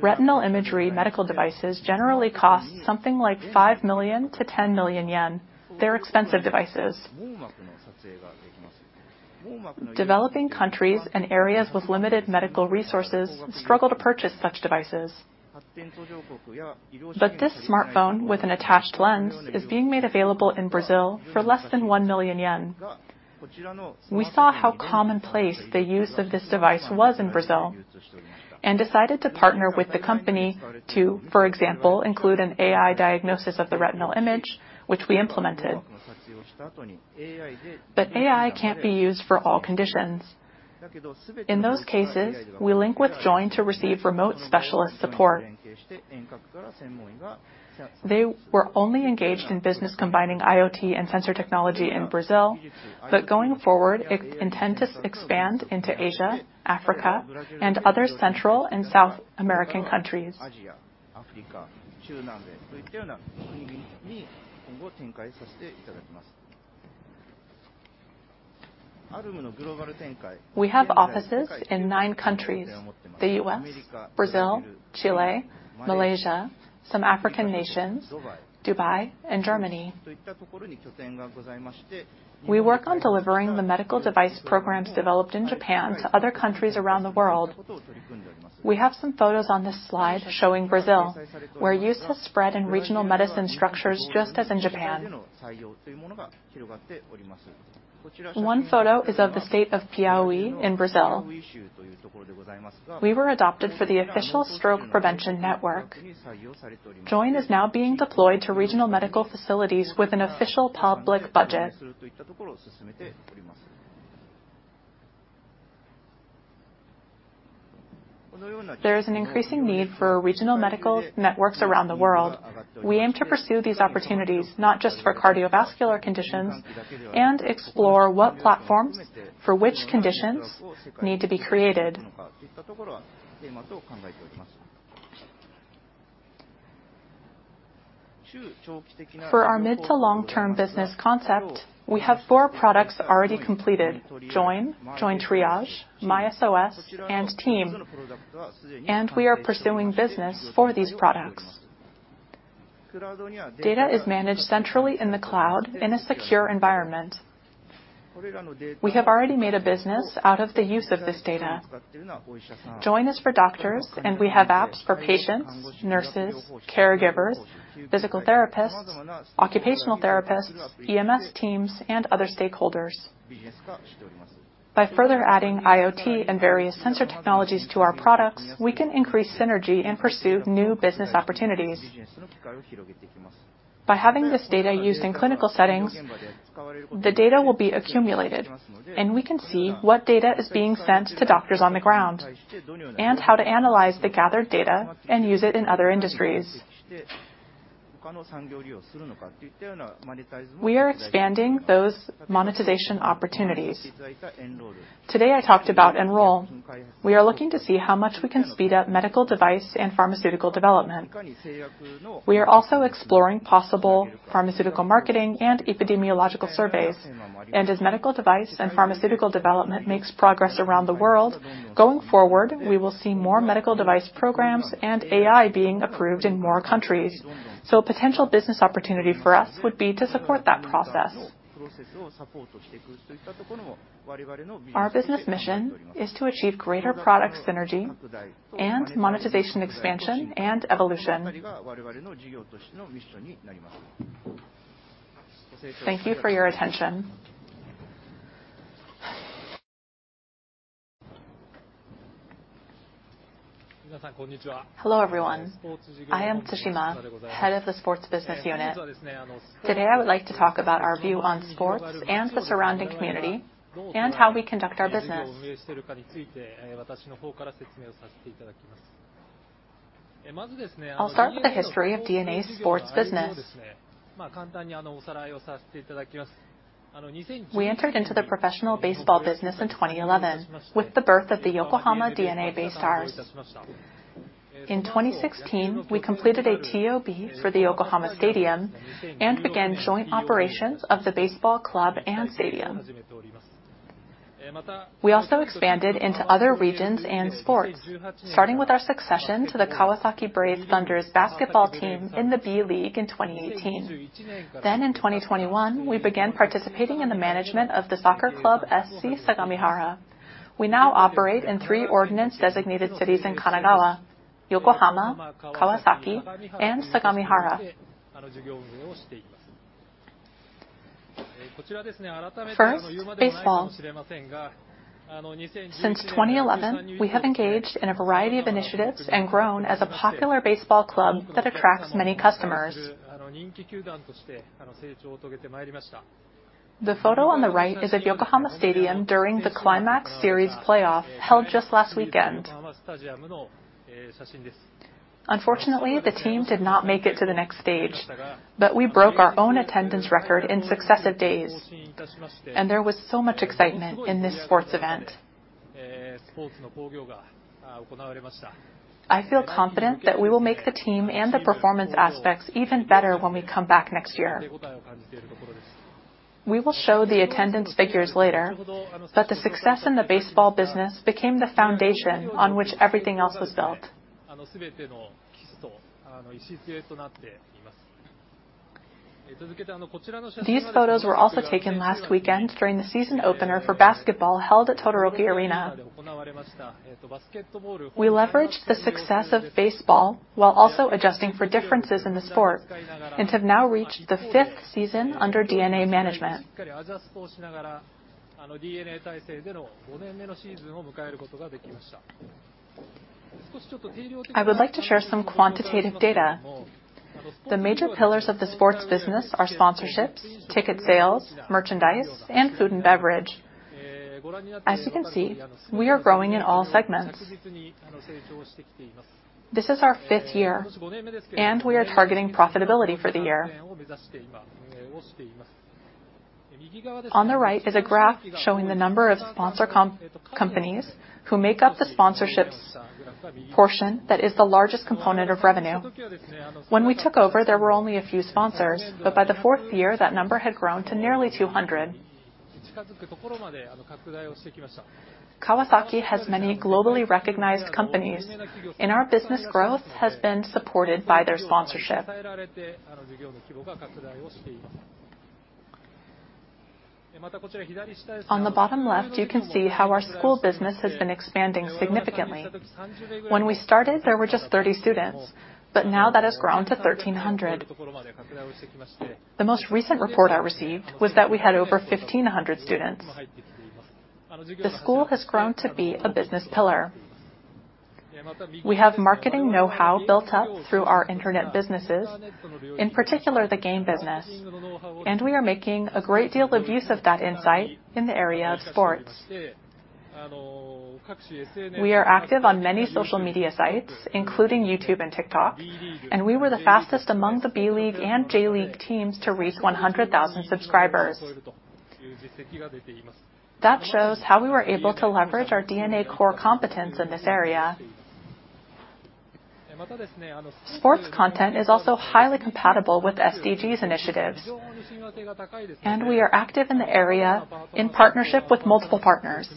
Retinal imagery medical devices generally cost something like 5 million-10 million yen. They're expensive devices. Developing countries and areas with limited medical resources struggle to purchase such devices. This smartphone with an attached lens is being made available in Brazil for less than 1 million yen. We saw how commonplace the use of this device was in Brazil and decided to partner with the company to, for example, include an AI diagnosis of the retinal image, which we implemented. AI can't be used for all conditions. In those cases, we link with Join to receive remote specialist support. They were only engaged in business combining IoT and sensor technology in Brazil, but going forward, it intends to expand into Asia, Africa, and other Central and South American countries. We have offices in nine countries, the U.S., Brazil, Chile, Malaysia, some African nations, Dubai, and Germany. We work on delivering the medical device programs developed in Japan to other countries around the world. We have some photos on this slide showing Brazil, where use has spread in regional medicine structures, just as in Japan. One photo is of the state of Piauí in Brazil. We were adopted for the official stroke prevention network. Join is now being deployed to regional medical facilities with an official public budget. There is an increasing need for regional medical networks around the world. We aim to pursue these opportunities not just for cardiovascular conditions and explore what platforms for which conditions need to be created. For our mid to long-term business concept, we have four products already completed: Join, JoinTriage, MySOS, and Team. We are pursuing business for these products. Data is managed centrally in the cloud in a secure environment. We have already made a business out of the use of this data. Join is for doctors, and we have apps for patients, nurses, caregivers, physical therapists, occupational therapists, EMS teams, and other stakeholders. By further adding IoT and various sensor technologies to our products, we can increase synergy and pursue new business opportunities. By having this data used in clinical settings, the data will be accumulated, and we can see what data is being sent to doctors on the ground and how to analyze the gathered data and use it in other industries. We are expanding those monetization opportunities. Today, I talked about Enroll. We are looking to see how much we can speed up medical device and pharmaceutical development. We are also exploring possible pharmaceutical marketing and epidemiological surveys. As medical device and pharmaceutical development makes progress around the world, going forward, we will see more medical device programs and AI being approved in more countries. Potential business opportunity for us would be to support that process. Our business mission is to achieve greater product synergy and monetization expansion and evolution. Thank you for your attention. Hello, everyone. I am Tsushima, Head of the Sports Business Unit. Today, I would like to talk about our view on sports and the surrounding community and how we conduct our business. I'll start with the history of DeNA's sports business. We entered into the professional baseball business in 2011 with the birth of the Yokohama DeNA BayStars. In 2016, we completed a TOB for the Yokohama Stadium and began joint operations of the baseball club and stadium. We also expanded into other regions and sports, starting with our succession to the Kawasaki Brave Thunders basketball team in the B.LEAGUE in 2018. In 2021, we began participating in the management of the soccer club, SC Sagamihara. We now operate in three ordinance-designated cities in Kanagawa: Yokohama, Kawasaki, and Sagamihara. First, baseball. Since 2011, we have engaged in a variety of initiatives and grown as a popular baseball club that attracts many customers. The photo on the right is of Yokohama Stadium during the Climax Series Playoff held just last weekend. Unfortunately, the team did not make it to the next stage, but we broke our own attendance record in successive days, and there was so much excitement in this sports event. I feel confident that we will make the team and the performance aspects even better when we come back next year. We will show the attendance figures later, but the success in the baseball business became the foundation on which everything else was built. These photos were also taken last weekend during the season opener for basketball, held at Todoroki Arena. We leveraged the success of baseball while also adjusting for differences in the sport and have now reached the fifth season under DeNA management. I would like to share some quantitative data. The major pillars of the sports business are sponsorships, ticket sales, merchandise, and food and beverage. As you can see, we are growing in all segments. This is our fifth year, and we are targeting profitability for the year. On the right is a graph showing the number of sponsor companies who make up the sponsorships portion that is the largest component of revenue. When we took over, there were only a few sponsors, but by the fourth year, that number had grown to nearly 200. Kawasaki has many globally recognized companies, and our business growth has been supported by their sponsorship. On the bottom left, you can see how our school business has been expanding significantly. When we started, there were just 30 students, but now that has grown to 1,300. The most recent report I received was that we had over 1,500 students. The school has grown to be a business pillar. We have marketing know-how built up through our internet businesses, in particular, the game business, and we are making a great deal of use of that insight in the area of sports. We are active on many social media sites, including YouTube and TikTok, and we were the fastest among the B.LEAGUE and J.LEAGUE teams to reach 100,000 subscribers. That shows how we were able to leverage our DeNA core competence in this area. Sports content is also highly compatible with SDGs initiatives, and we are active in the area in partnership with multiple partners.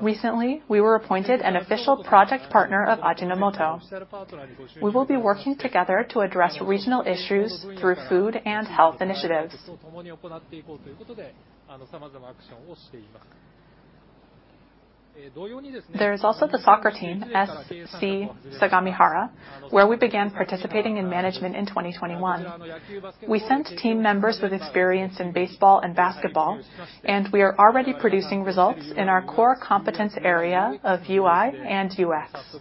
Recently, we were appointed an official project partner of Ajinomoto. We will be working together to address regional issues through food and health initiatives. There is also the soccer team, SC Sagamihara, where we began participating in management in 2021. We sent team members with experience in baseball and basketball, and we are already producing results in our core competence area of UI and UX.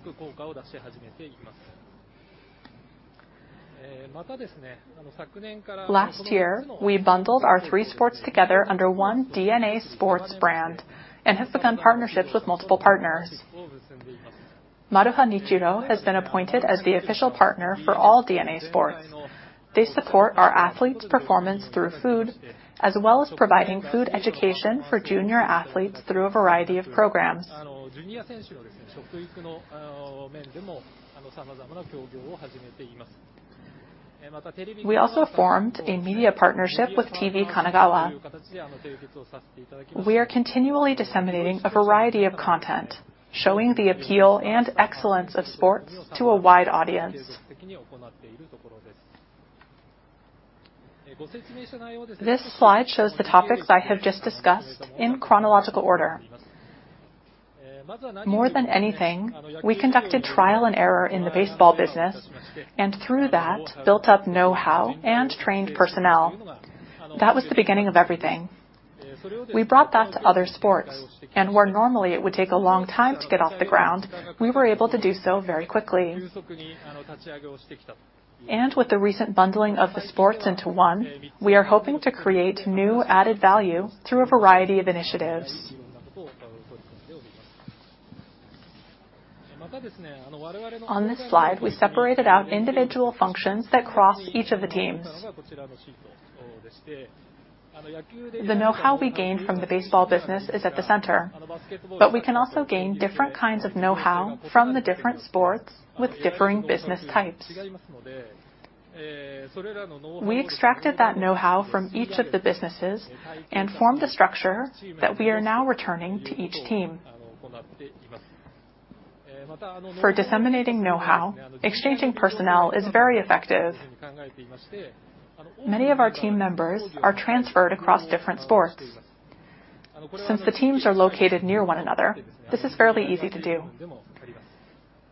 Last year, we bundled our three sports together under one DeNA sports brand and have begun partnerships with multiple partners. Maruha Nichiro has been appointed as the official partner for all DeNA sports. They support our athletes' performance through food, as well as providing food education for junior athletes through a variety of programs. We also formed a media partnership with TV Kanagawa. We are continually disseminating a variety of content, showing the appeal and excellence of sports to a wide audience. This slide shows the topics I have just discussed in chronological order. More than anything, we conducted trial and error in the baseball business and through that, built up know-how and trained personnel. That was the beginning of everything. We brought that to other sports, and where normally it would take a long time to get off the ground, we were able to do so very quickly. With the recent bundling of the sports into one, we are hoping to create new added value through a variety of initiatives. On this slide, we separated out individual functions that cross each of the teams. The know-how we gained from the baseball business is at the center, but we can also gain different kinds of know-how from the different sports with differing business types. We extracted that know-how from each of the businesses and formed a structure that we are now returning to each team. For disseminating know-how, exchanging personnel is very effective. Many of our team members are transferred across different sports. Since the teams are located near one another, this is fairly easy to do.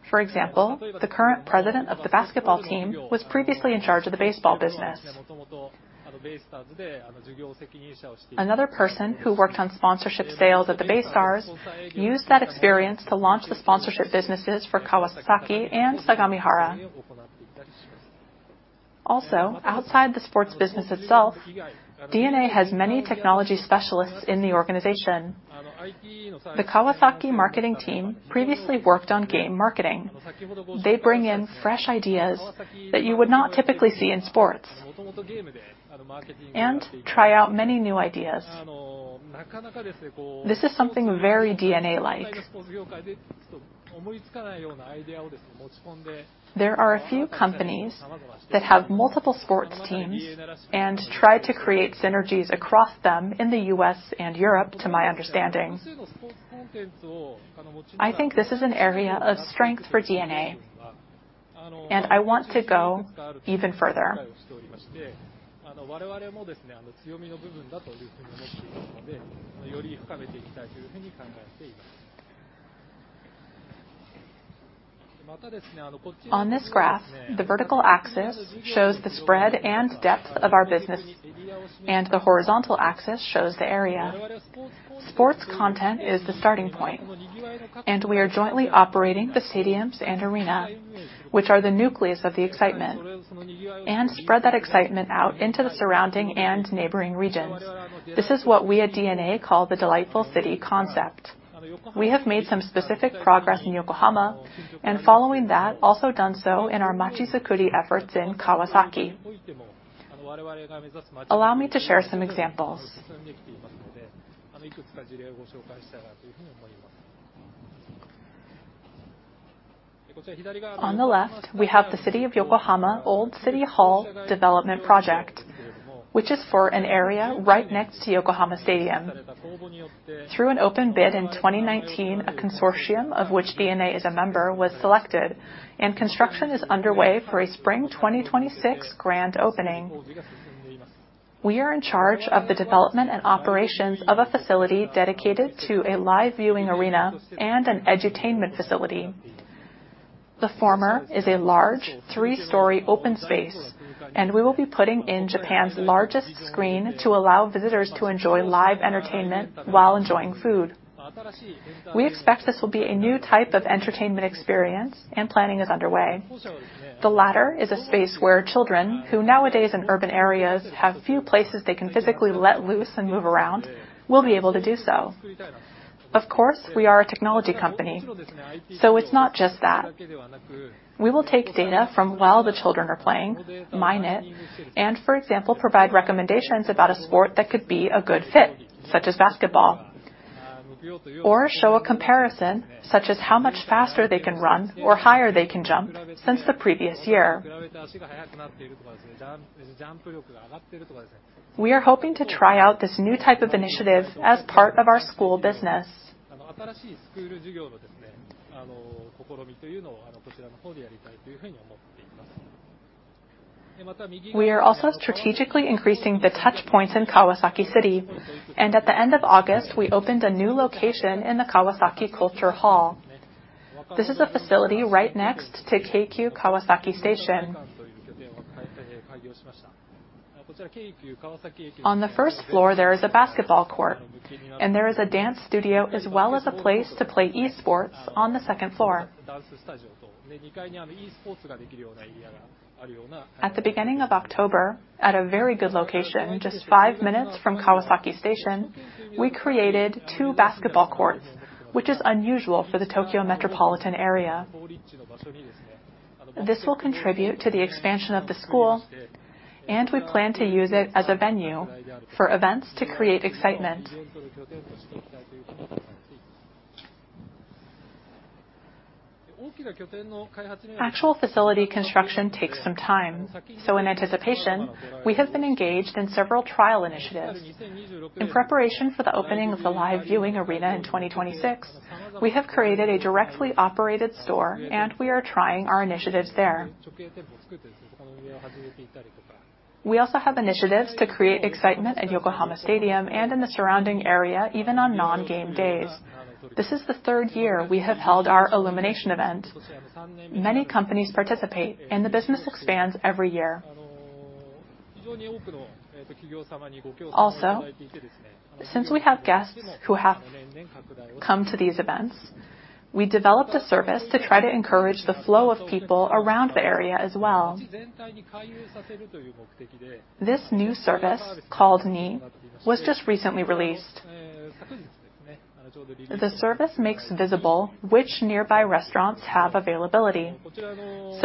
For example, the current president of the basketball team was previously in charge of the baseball business. Another person who worked on sponsorship sales at the BayStars used that experience to launch the sponsorship businesses for Kawasaki and Sagamihara. Also, outside the sports business itself, DeNA has many technology specialists in the organization. The Kawasaki marketing team previously worked on game marketing. They bring in fresh ideas that you would not typically see in sports, and try out many new ideas. This is something very DeNA-like. There are a few companies that have multiple sports teams and try to create synergies across them in the U.S. and Europe, to my understanding. I think this is an area of strength for DeNA, and I want to go even further. On this graph, the vertical axis shows the spread and depth of our business, and the horizontal axis shows the area. Sports content is the starting point, and we are jointly operating the stadiums and arena, which are the nucleus of the excitement, and spread that excitement out into the surrounding and neighboring regions. This is what we at DeNA call the Delightful City concept. We have made some specific progress in Yokohama, and following that, also done so in our machizukuri efforts in Kawasaki. Allow me to share some examples. On the left, we have the Former Yokohama City Hall District Utilization Project, which is for an area right next to Yokohama Stadium. Through an open bid in 2019, a consortium, of which DeNA is a member, was selected, and construction is underway for a spring 2026 grand opening. We are in charge of the development and operations of a facility dedicated to a live viewing arena and an edutainment facility. The former is a large 3-story open space, and we will be putting in Japan's largest screen to allow visitors to enjoy live entertainment while enjoying food. We expect this will be a new type of entertainment experience, and planning is underway. The latter is a space where children, who nowadays in urban areas have few places they can physically let loose and move around, will be able to do so. Of course, we are a technology company, so it's not just that. We will take data from while the children are playing, mine it, and, for example, provide recommendations about a sport that could be a good fit, such as basketball, or show a comparison, such as how much faster they can run or higher they can jump since the previous year. We are hoping to try out this new type of initiative as part of our school business. We are also strategically increasing the touchpoints in Kawasaki City, and at the end of August, we opened a new location in Kawasaki culture hall. This is a facility right next to Keikyu Kawasaki Station. On the first floor, there is a basketball court, and there is a dance studio as well as a place to play e-sports on the second floor. At the beginning of October, at a very good location, just 5 minutes from Kawasaki Station, we created 2 basketball courts, which is unusual for the Tokyo Metropolitan area. This will contribute to the expansion of the school, and we plan to use it as a venue for events to create excitement. Actual facility construction takes some time, so in anticipation, we have been engaged in several trial initiatives. In preparation for the opening of the live viewing arena in 2026, we have created a directly operated store, and we are trying our initiatives there. We also have initiatives to create excitement at Yokohama Stadium and in the surrounding area, even on non-game days. This is the third year we have held our illumination event. Many companies participate, and the business expands every year. Also, since we have guests who have come to these events, we developed a service to try to encourage the flow of people around the area as well. This new service, called Neee, was just recently released. The service makes visible which nearby restaurants have availability.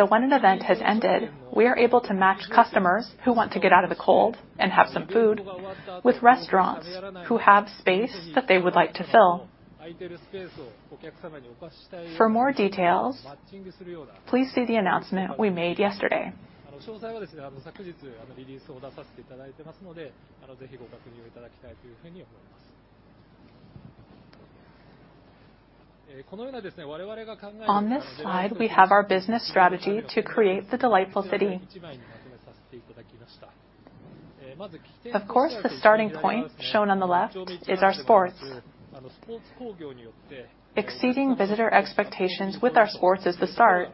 When an event has ended, we are able to match customers who want to get out of the cold and have some food with restaurants who have space that they would like to fill. For more details, please see the announcement we made yesterday. On this slide, we have our business strategy to create the Delightful City. Of course, the starting point shown on the left is our sports. Exceeding visitor expectations with our sports is the start.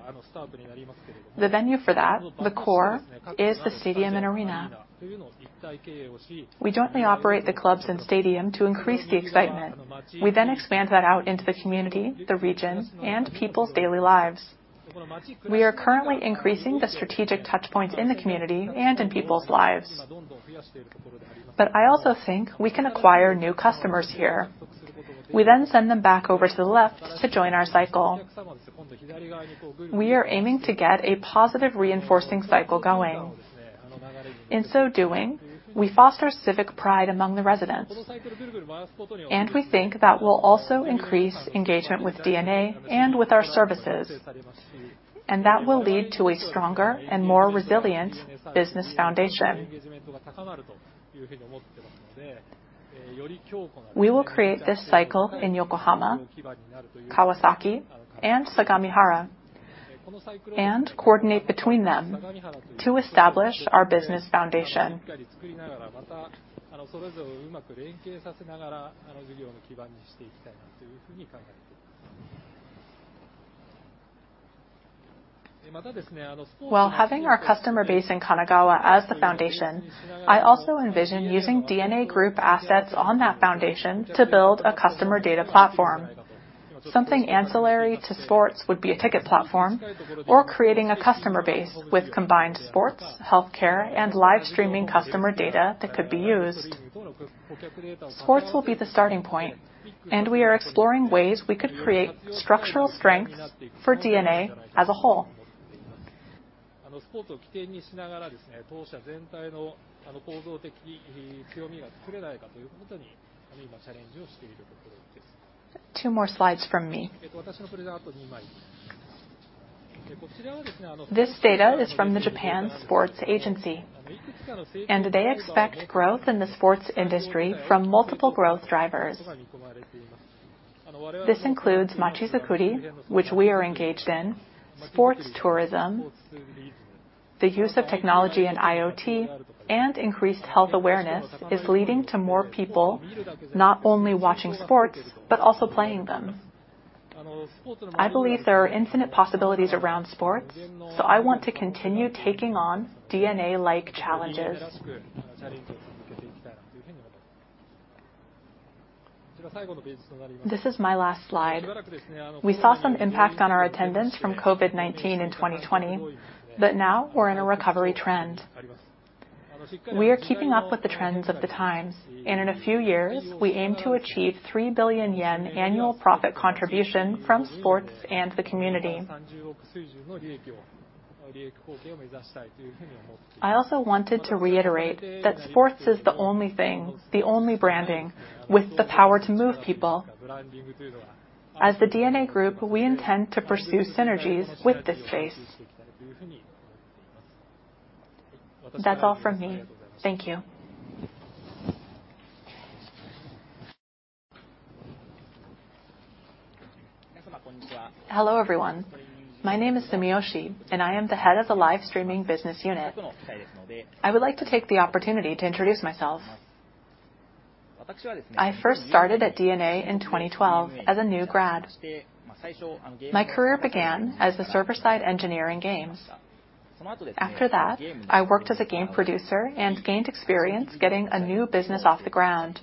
The venue for that, the core, is the stadium and arena. We jointly operate the clubs and stadium to increase the excitement. We then expand that out into the community, the region, and people's daily lives. We are currently increasing the strategic touchpoints in the community and in people's lives. I also think we can acquire new customers here. We then send them back over to the left to join our cycle. We are aiming to get a positive reinforcing cycle going. In so doing, we foster civic pride among the residents, and we think that will also increase engagement with DeNA and with our services, and that will lead to a stronger and more resilient business foundation. We will create this cycle in Yokohama, Kawasaki, and Sagamihara, and coordinate between them to establish our business foundation. While having our customer base in Kanagawa as the foundation, I also envision using DeNA group assets on that foundation to build a customer data platform. Something ancillary to sports would be a ticket platform or creating a customer base with combined sports, healthcare, and live streaming customer data that could be used. Sports will be the starting point, and we are exploring ways we could create structural strengths for DeNA as a whole. Two more slides from me. This data is from the Japan Sports Agency, and they expect growth in the sports industry from multiple growth drivers. This includes machizukuri, which we are engaged in, sports tourism, the use of technology in IoT, and increased health awareness is leading to more people not only watching sports, but also playing them. I believe there are infinite possibilities around sports, so I want to continue taking on DeNA-like challenges. This is my last slide. We saw some impact on our attendance from COVID-19 in 2020, but now we're in a recovery trend. We are keeping up with the trends of the times, and in a few years, we aim to achieve 3 billion yen annual profit contribution from sports and the community. I also wanted to reiterate that sports is the only thing, the only branding, with the power to move people. As the DeNA group, we intend to pursue synergies with this space. That's all from me. Thank you. Hello, everyone. My name is Sumiyoshi, and I am the head of the live streaming business unit. I would like to take the opportunity to introduce myself. I first started at DeNA in 2012 as a new grad. My career began as a server-side engineer in games. After that, I worked as a game producer and gained experience getting a new business off the ground.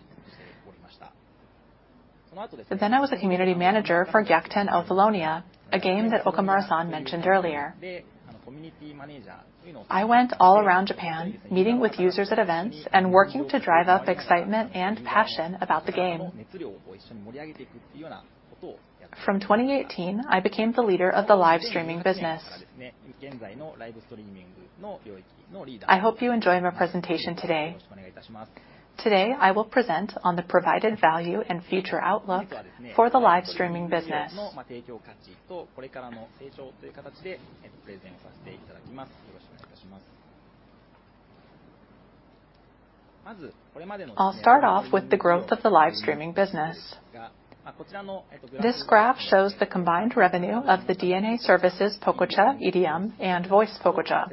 I was a community manager for Gyakuten Othellonia, a game that Okamura-san mentioned earlier. I went all around Japan, meeting with users at events and working to drive up excitement and passion about the game. From 2018, I became the leader of the live streaming business. I hope you enjoy my presentation today. Today, I will present on the provided value and future outlook for the live streaming business. I'll start off with the growth of the live streaming business. This graph shows the combined revenue of the DeNA services, Pococha, IRIAM, and Voice Pococha.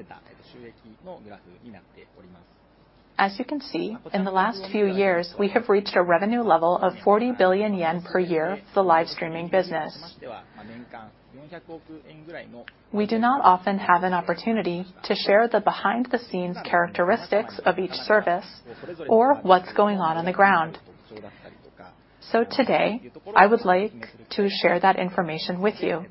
As you can see, in the last few years, we have reached a revenue level of 40 billion yen per year for the live streaming business. We do not often have an opportunity to share the behind-the-scenes characteristics of each service or what's going on on the ground. Today, I would like to share that information with you.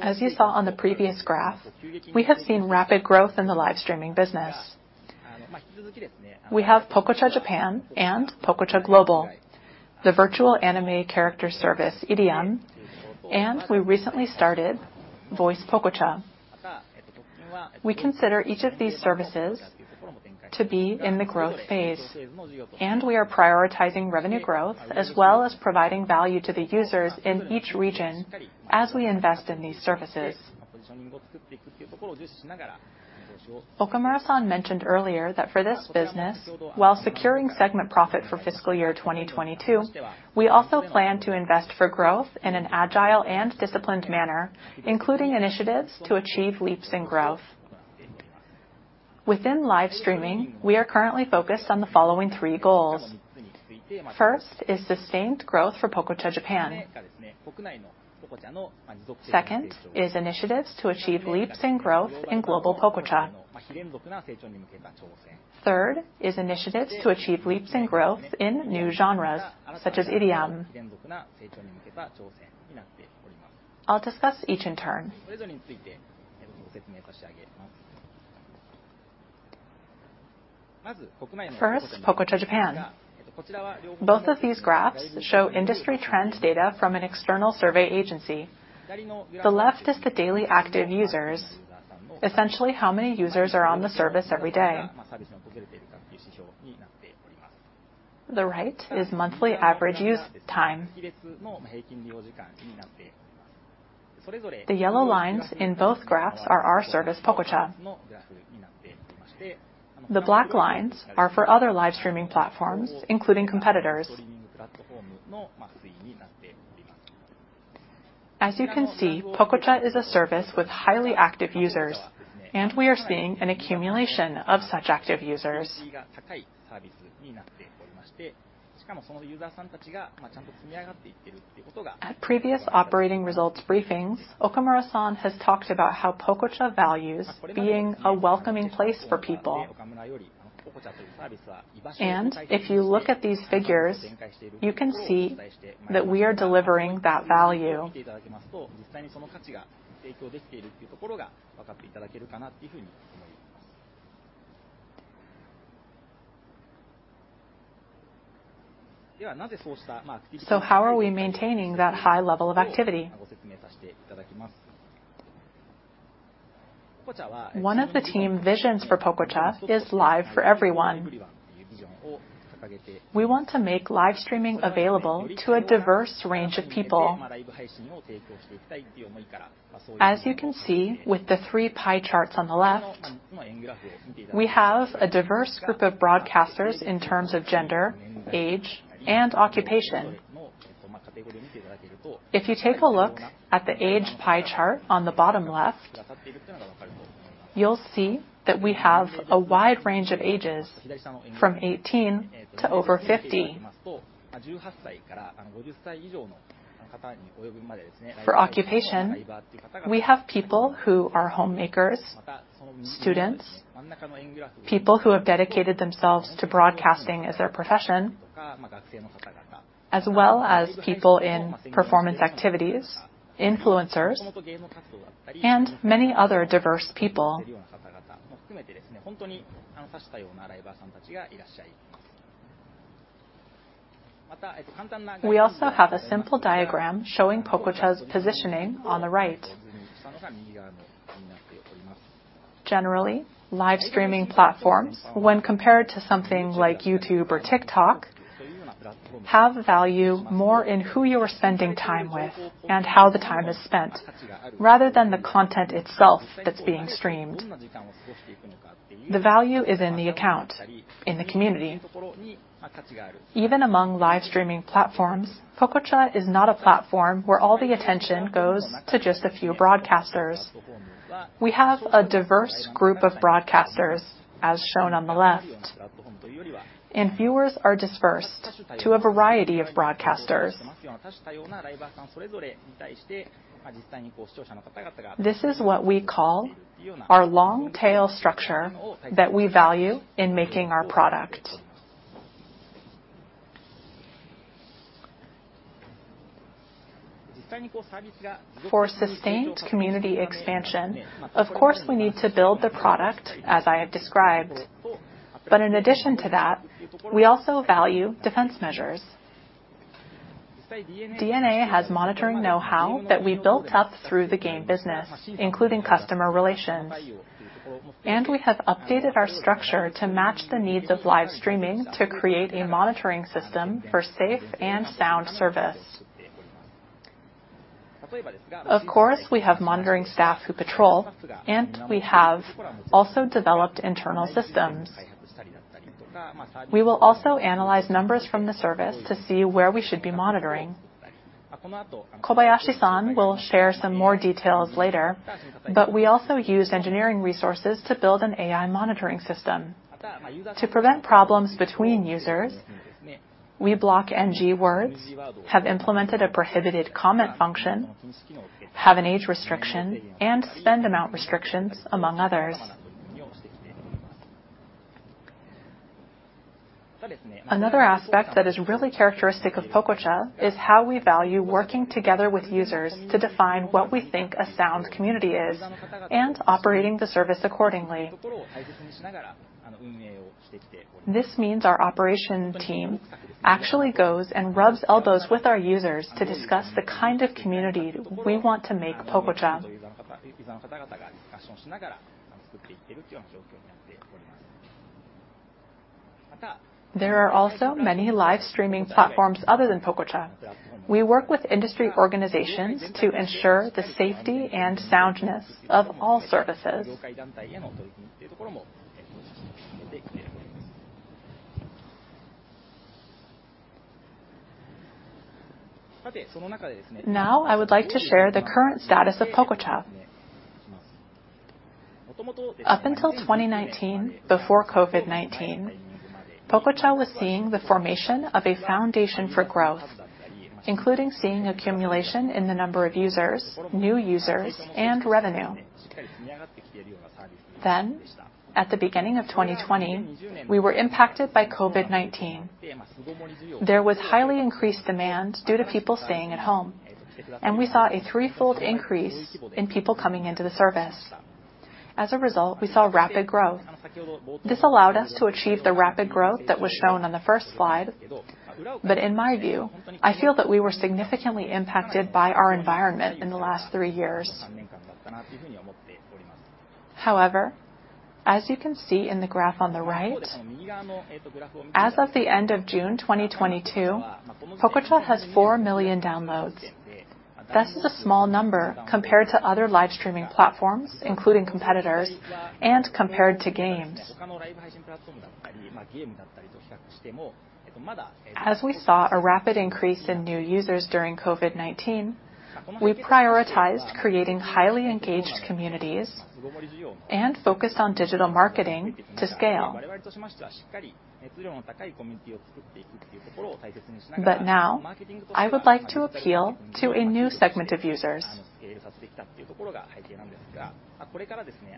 As you saw on the previous graph, we have seen rapid growth in the live streaming business. We have Pococha Japan and Pococha Global, the virtual anime character service, IRIAM, and we recently started Voice Pococha. We consider each of these services to be in the growth phase, and we are prioritizing revenue growth as well as providing value to the users in each region as we invest in these services. Okamura-san mentioned earlier that for this business, while securing segment profit for fiscal year 2022, we also plan to invest for growth in an agile and disciplined manner, including initiatives to achieve leaps in growth. Within live streaming, we are currently focused on the following three goals. First is sustained growth for Pococha Japan. Second is initiatives to achieve leaps in growth in global Pococha. Third is initiatives to achieve leaps in growth in new genres, such as IRIAM. I'll discuss each in turn. First, Pococha Japan. Both of these graphs show industry trends data from an external survey agency. The left is the daily active users, essentially how many users are on the service every day. The right is monthly average use time. The yellow lines in both graphs are our service, Pococha. The black lines are for other live streaming platforms, including competitors. As you can see, Pococha is a service with highly active users, and we are seeing an accumulation of such active users. At previous operating results briefings, Okamura-san has talked about how Pococha values being a welcoming place for people. If you look at these figures, you can see that we are delivering that value. How are we maintaining that high level of activity? One of the team visions for Pococha is Live for Everyone. We want to make live streaming available to a diverse range of people. As you can see with the three pie charts on the left, we have a diverse group of broadcasters in terms of gender, age, and occupation. If you take a look at the age pie chart on the bottom left, you'll see that we have a wide range of ages from 18 to over 50. For occupation, we have people who are homemakers, students, people who have dedicated themselves to broadcasting as their profession, as well as people in performance activities, influencers, and many other diverse people. We also have a simple diagram showing Pococha's positioning on the right. Generally, live streaming platforms, when compared to something like YouTube or TikTok, have value more in who you are spending time with and how the time is spent, rather than the content itself that's being streamed. The value is in the account, in the community. Even among live streaming platforms, Pococha is not a platform where all the attention goes to just a few broadcasters. We have a diverse group of broadcasters, as shown on the left, and viewers are dispersed to a variety of broadcasters. This is what we call our long-tail structure that we value in making our product. For sustained community expansion, of course, we need to build the product as I have described. In addition to that, we also value defense measures. DeNA has monitoring know-how that we built up through the game business, including customer relations. We have updated our structure to match the needs of live streaming to create a monitoring system for safe and sound service. Of course, we have monitoring staff who patrol, and we have also developed internal systems. We will also analyze numbers from the service to see where we should be monitoring. Kobayashi-san will share some more details later, but we also use engineering resources to build an AI monitoring system. To prevent problems between users, we block NG words, have implemented a prohibited comment function, have an age restriction, and spend amount restrictions, among others. Another aspect that is really characteristic of Pococha is how we value working together with users to define what we think a sound community is and operating the service accordingly. This means our operation team actually goes and rubs elbows with our users to discuss the kind of community we want to make Pococha. There are also many live streaming platforms other than Pococha. We work with industry organizations to ensure the safety and soundness of all services. Now, I would like to share the current status of Pococha. Up until 2019, before COVID-19, Pococha was seeing the formation of a foundation for growth, including seeing accumulation in the number of users, new users, and revenue. At the beginning of 2020, we were impacted by COVID-19. There was highly increased demand due to people staying at home, and we saw a three-fold increase in people coming into the service. As a result, we saw rapid growth. This allowed us to achieve the rapid growth that was shown on the first slide. In my view, I feel that we were significantly impacted by our environment in the last three years. However, as you can see in the graph on the right, as of the end of June 2022, Pococha has 4 million downloads. That's a small number compared to other live streaming platforms, including competitors, and compared to games. As we saw a rapid increase in new users during COVID-19, we prioritized creating highly engaged communities and focused on digital marketing to scale. Now, I would like to appeal to a new segment of users.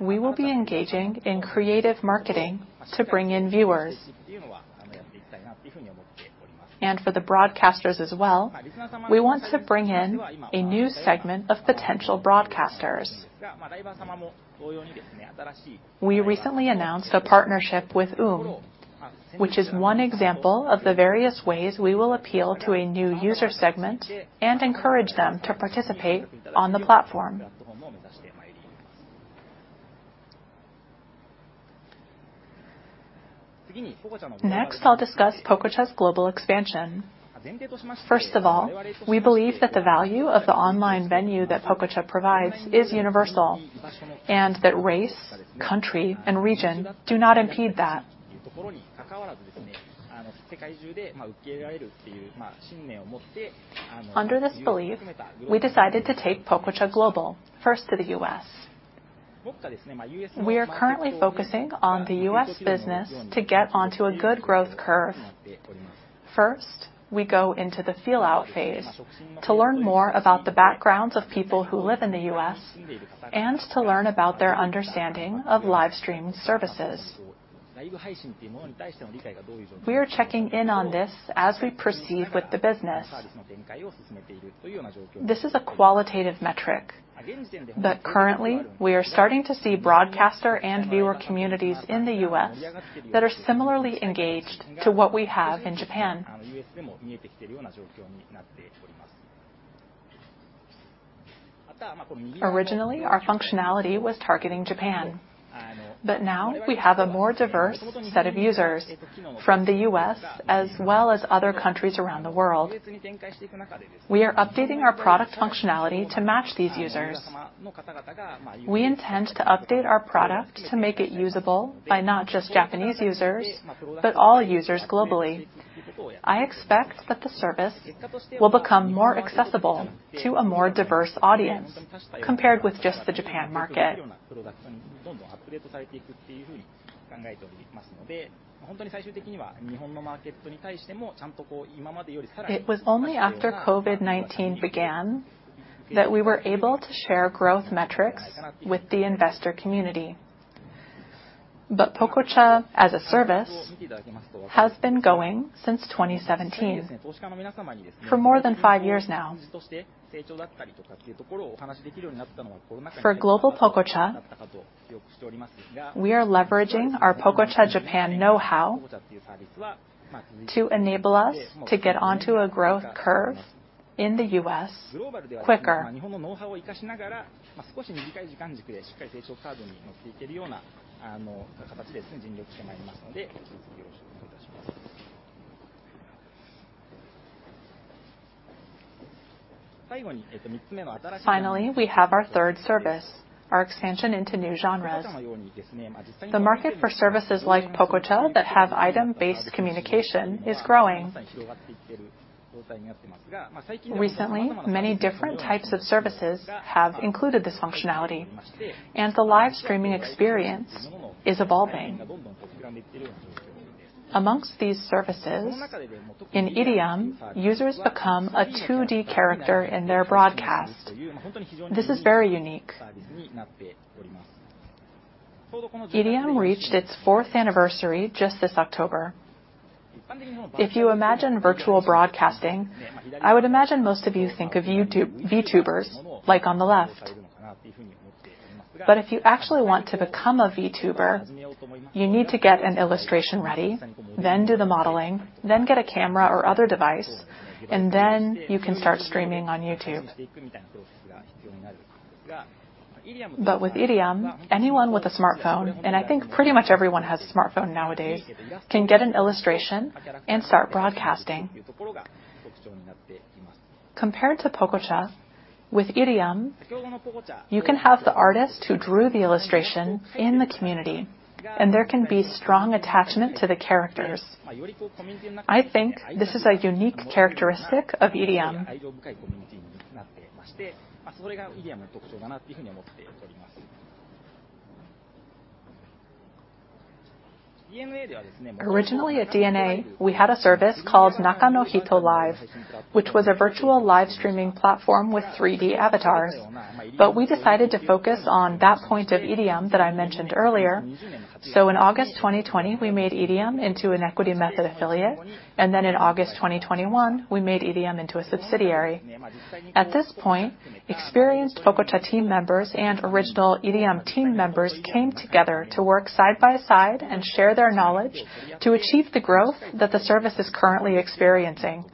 We will be engaging in creative marketing to bring in viewers. For the broadcasters as well, we want to bring in a new segment of potential broadcasters. We recently announced a partnership with UUUM, which is one example of the various ways we will appeal to a new user segment and encourage them to participate on the platform. Next, I'll discuss Pococha's global expansion. First of all, we believe that the value of the online venue that Pococha provides is universal, and that race, country, and region do not impede that. Under this belief, we decided to take Pococha global, first to the U.S. We are currently focusing on the U.S. business to get onto a good growth curve. First, we go into the feel out phase to learn more about the backgrounds of people who live in the U.S. and to learn about their understanding of live streaming services. We are checking in on this as we proceed with the business. This is a qualitative metric, but currently, we are starting to see broadcaster and viewer communities in the U.S. that are similarly engaged to what we have in Japan. Originally, our functionality was targeting Japan, but now we have a more diverse set of users from the U.S. as well as other countries around the world. We are updating our product functionality to match these users. We intend to update our product to make it usable by not just Japanese users, but all users globally. I expect that the service will become more accessible to a more diverse audience compared with just the Japan market. It was only after COVID-19 began that we were able to share growth metrics with the investor community. Pococha as a service has been going since 2017, for more than five years now. For Pococha Global, we are leveraging our Pococha Japan know-how to enable us to get onto a growth curve in the U.S. Quicker. Finally, we have our third service, our expansion into new genres. The market for services like Pococha that have item-based communication is growing. Recently, many different types of services have included this functionality, and the live streaming experience is evolving. Amongst these services, in IRIAM, users become a 2D character in their broadcast. This is very unique. IRIAM reached its fourth anniversary just this October. If you imagine virtual broadcasting, I would imagine most of you think of VTubers like on the left. If you actually want to become a VTuber, you need to get an illustration ready, then do the modeling, then get a camera or other device, and then you can start streaming on YouTube. With IRIAM, anyone with a smartphone, and I think pretty much everyone has a smartphone nowadays, can get an illustration and start broadcasting. Compared to Pococha, with IRIAM, you can have the artist who drew the illustration in the community, and there can be strong attachment to the characters. I think this is a unique characteristic of IRIAM. Originally at DeNA, we had a service called Naka no Hito Live, which was a virtual live streaming platform with 3D avatars. We decided to focus on that point of IRIAM that I mentioned earlier. In August 2020, we made IRIAM into an equity method affiliate, and then in August 2021, we made IRIAM into a subsidiary. At this point, experienced Pococha team members and original IRIAM team members came together to work side by side and share their knowledge to achieve the growth that the service is currently experiencing.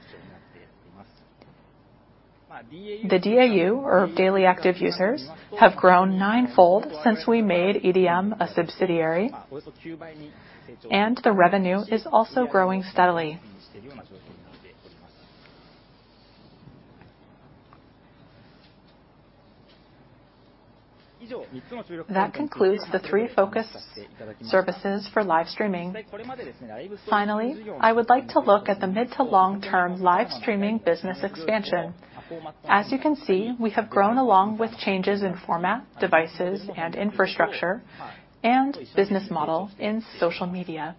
The DAU, or daily active users, have grown nine-fold since we made IRIAM a subsidiary, and the revenue is also growing steadily. That concludes the three focus services for live streaming. Finally, I would like to look at the mid to long-term live streaming business expansion. As you can see, we have grown along with changes in format, devices, and infrastructure, and business model in social media.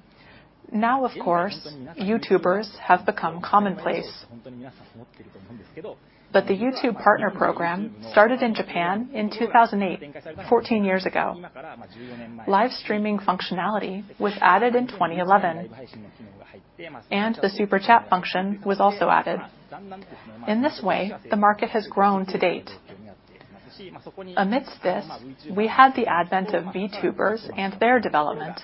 Now, of course, YouTubers have become commonplace. The YouTube Partner Program started in Japan in 2008, 14 years ago. Live streaming functionality was added in 2011, and the Super Chat function was also added. In this way, the market has grown to date. Amidst this, we had the advent of VTubers and their development.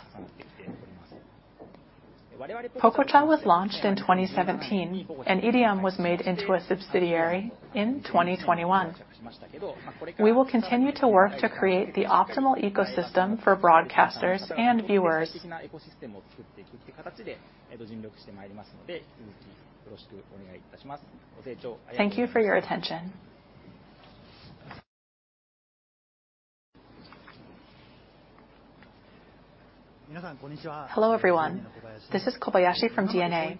Pococha was launched in 2017, and IRIAM was made into a subsidiary in 2021. We will continue to work to create the optimal ecosystem for broadcasters and viewers. Thank you for your attention. Hello, everyone. This is Kobayashi from DeNA.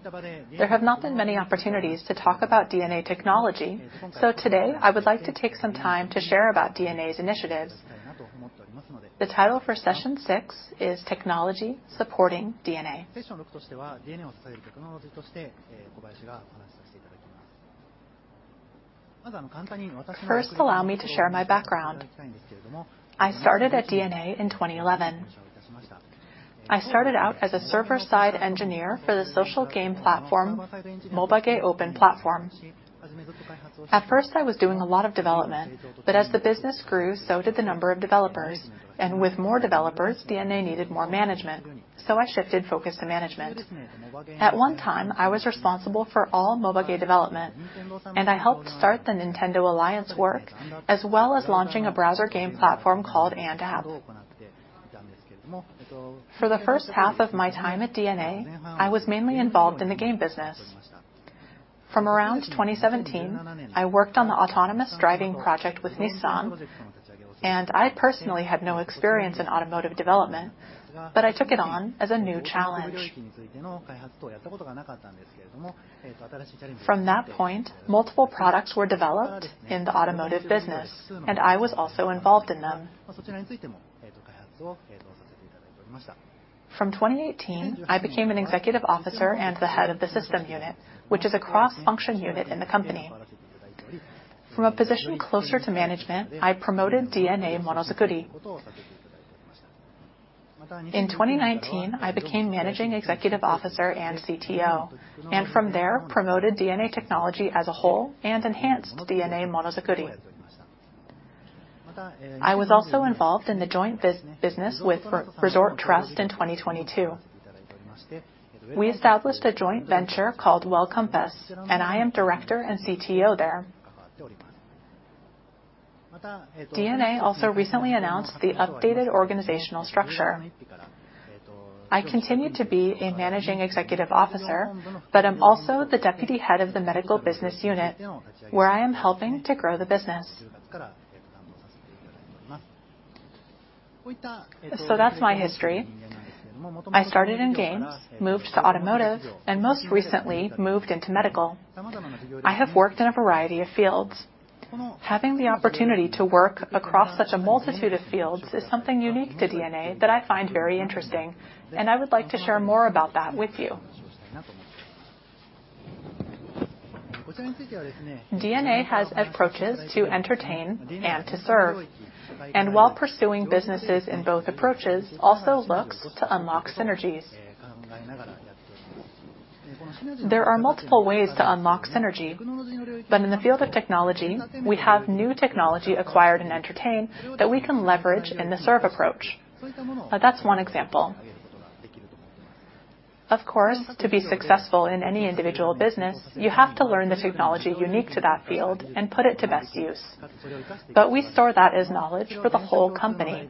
There have not been many opportunities to talk about DeNA technology, so today, I would like to take some time to share about DeNA's initiatives. The title for session six is Technology Supporting DeNA. First, allow me to share my background. I started at DeNA in 2011. I started out as a server-side engineer for the social game platform Mobage Open Platform. At first, I was doing a lot of development, but as the business grew, so did the number of developers. With more developers, DeNA needed more management. I shifted focus to management. At one time, I was responsible for all Mobage development, and I helped start the Nintendo Alliance work, as well as launching a browser game platform called AndApp. For the first half of my time at DeNA, I was mainly involved in the game business. From around 2017, I worked on the autonomous driving project with Nissan, and I personally had no experience in automotive development, but I took it on as a new challenge. From that point, multiple products were developed in the automotive business, and I was also involved in them. From 2018, I became an executive officer and the head of the system unit, which is a cross-function unit in the company. From a position closer to management, I promoted DeNA Monozukuri. In 2019, I became Managing Executive Officer and CTO, and from there, promoted DeNA technology as a whole and enhanced DeNA Monozukuri. I was also involved in the joint business with Resorttrust in 2022. We established a joint venture called Welcompass, and I am director and CTO there. DeNA also recently announced the updated organizational structure. I continue to be a Managing Executive Officer, but I'm also the Deputy Head of the Medical Business Unit, where I am helping to grow the business. That's my history. I started in games, moved to automotive, and most recently moved into medical. I have worked in a variety of fields. Having the opportunity to work across such a multitude of fields is something unique to DeNA that I find very interesting, and I would like to share more about that with you. DeNA has approaches to entertain and to serve, and while pursuing businesses in both approaches, also looks to unlock synergies. There are multiple ways to unlock synergy. In the field of technology, we have new technology acquired in entertainment that we can leverage in the service approach. Now, that's one example. Of course, to be successful in any individual business, you have to learn the technology unique to that field and put it to best use. We store that as knowledge for the whole company.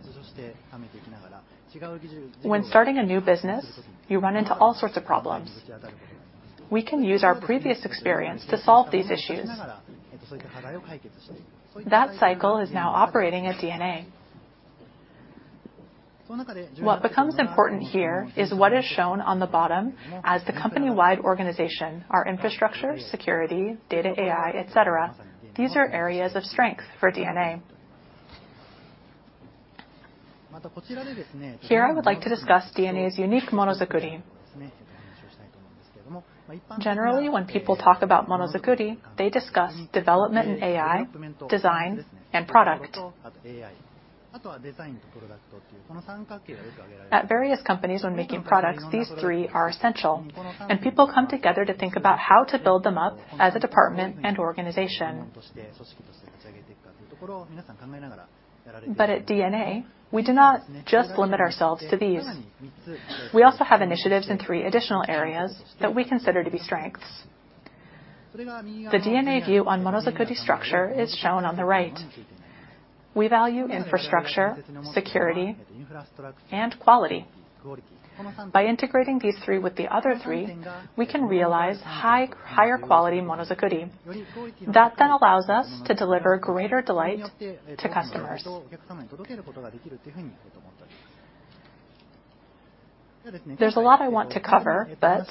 When starting a new business, you run into all sorts of problems. We can use our previous experience to solve these issues. That cycle is now operating at DeNA. What becomes important here is what is shown on the bottom as the company-wide organization, our infrastructure, security, data, AI, et cetera. These are areas of strength for DeNA. Here, I would like to discuss DeNA's unique Monozukuri. Generally, when people talk about Monozukuri, they discuss development in AI, design, and product. At various companies when making products, these three are essential, and people come together to think about how to build them up as a department and organization. At DeNA, we do not just limit ourselves to these. We also have initiatives in three additional areas that we consider to be strengths. The DeNA view on Monozukuri structure is shown on the right. We value infrastructure, security, and quality. By integrating these three with the other three, we can realize higher quality Monozukuri. That then allows us to deliver greater delight to customers. There's a lot I want to cover, but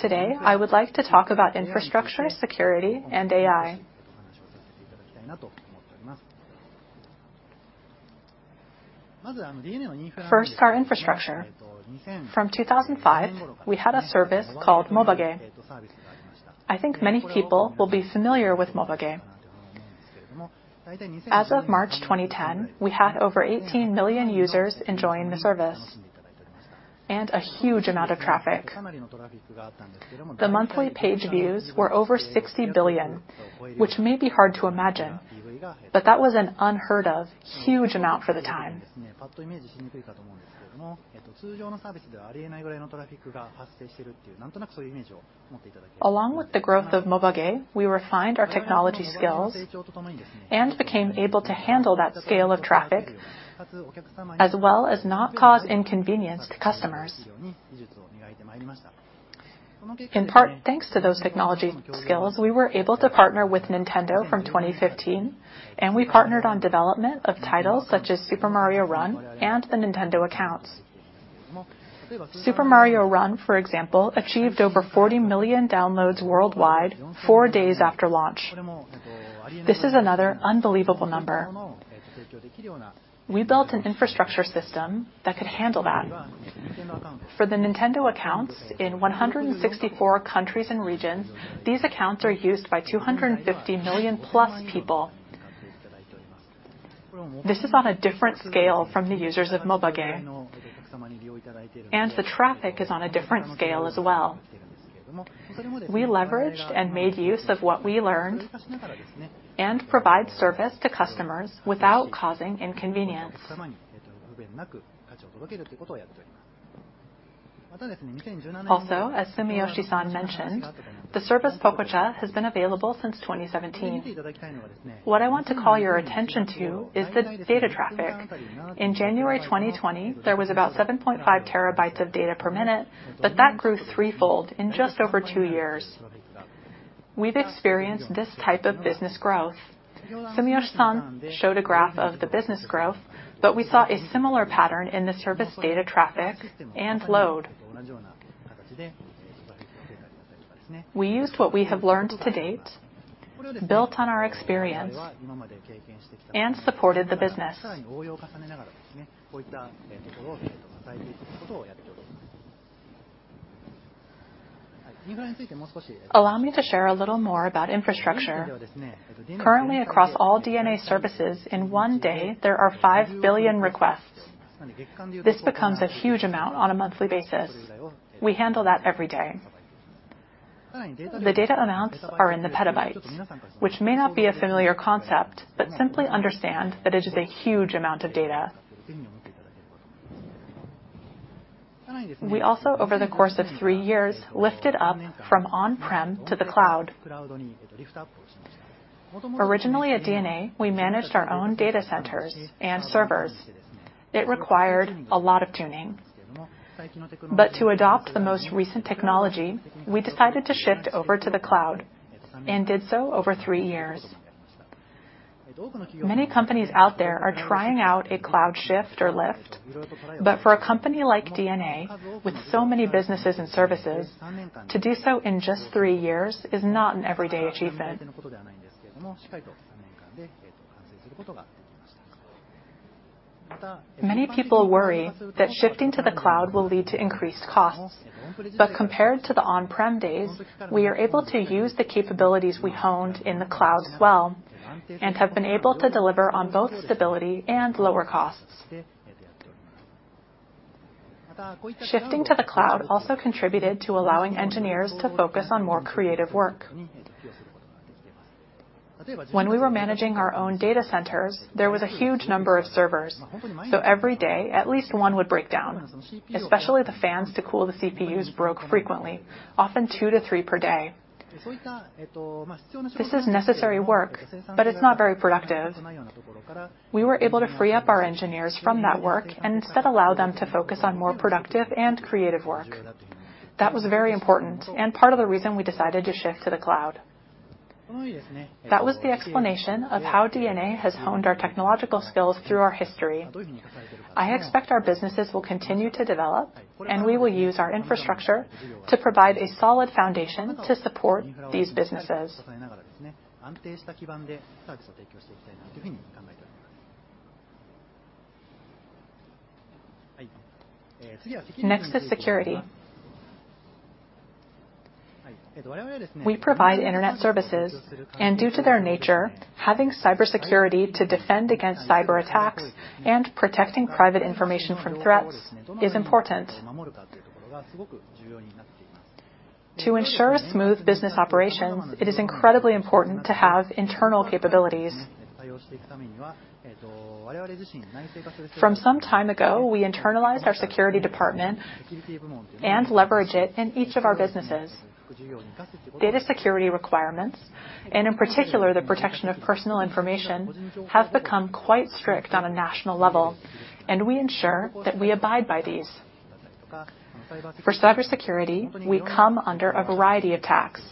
today I would like to talk about infrastructure, security, and AI. First, our infrastructure. From 2005, we had a service called Mobage. I think many people will be familiar with Mobage. As of March 2010, we had over 18 million users enjoying the service and a huge amount of traffic. The monthly page views were over 60 billion, which may be hard to imagine, but that was an unheard-of huge amount for the time. Along with the growth of Mobage, we refined our technology skills and became able to handle that scale of traffic, as well as not cause inconvenience to customers. In part, thanks to those technology skills, we were able to partner with Nintendo from 2015, and we partnered on development of titles such as Super Mario Run and the Nintendo Accounts. Super Mario Run, for example, achieved over 40 million downloads worldwide four days after launch. This is another unbelievable number. We built an infrastructure system that could handle that. For the Nintendo Accounts in 164 countries and regions, these accounts are used by 250+ million people. This is on a different scale from the users of Mobage, and the traffic is on a different scale as well. We leveraged and made use of what we learned and provide service to customers without causing inconvenience. Also, as Sumiyoshi-san mentioned, the service Pococha has been available since 2017. What I want to call your attention to is the data traffic. In January 2020, there was about 7.5 terabytes of data per minute, but that grew three-fold in just over two years. We've experienced this type of business growth. Sumiyoshi-san showed a graph of the business growth, but we saw a similar pattern in the service data traffic and load. We used what we have learned to date, built on our experience, and supported the business. Allow me to share a little more about infrastructure. Currently, across all DeNA services, in one day, there are five billion requests. This becomes a huge amount on a monthly basis. We handle that every day. The data amounts are in the petabytes, which may not be a familiar concept, but simply understand that it is a huge amount of data. We also, over the course of three years, lifted up from on-prem to the cloud. Originally at DeNA, we managed our own data centers and servers. It required a lot of tuning. To adopt the most recent technology, we decided to shift over to the cloud and did so over three years. Many companies out there are trying out a cloud shift or lift, but for a company like DeNA with so many businesses and services, to do so in just three years is not an everyday achievement. Many people worry that shifting to the cloud will lead to increased costs. Compared to the on-prem days, we are able to use the capabilities we honed in the cloud as well and have been able to deliver on both stability and lower costs. Shifting to the cloud also contributed to allowing engineers to focus on more creative work. When we were managing our own data centers, there was a huge number of servers, so every day, at least one would break down, especially the fans to cool the CPUs broke frequently, often two to three per day. This is necessary work, but it's not very productive. We were able to free up our engineers from that work and instead allow them to focus on more productive and creative work. That was very important and part of the reason we decided to shift to the cloud. That was the explanation of how DeNA has honed our technological skills through our history. I expect our businesses will continue to develop, and we will use our infrastructure to provide a solid foundation to support these businesses. Next is security, we provide internet services, and due to their nature, having cybersecurity to defend against cyberattacks and protecting private information from threats is important. To ensure smooth business operations, it is incredibly important to have internal capabilities. From some time ago, we internalized our security department and leverage it in each of our businesses. Data security requirements, and in particular, the protection of personal information, have become quite strict on a national level, and we ensure that we abide by these. For cybersecurity, we come under a variety of attacks,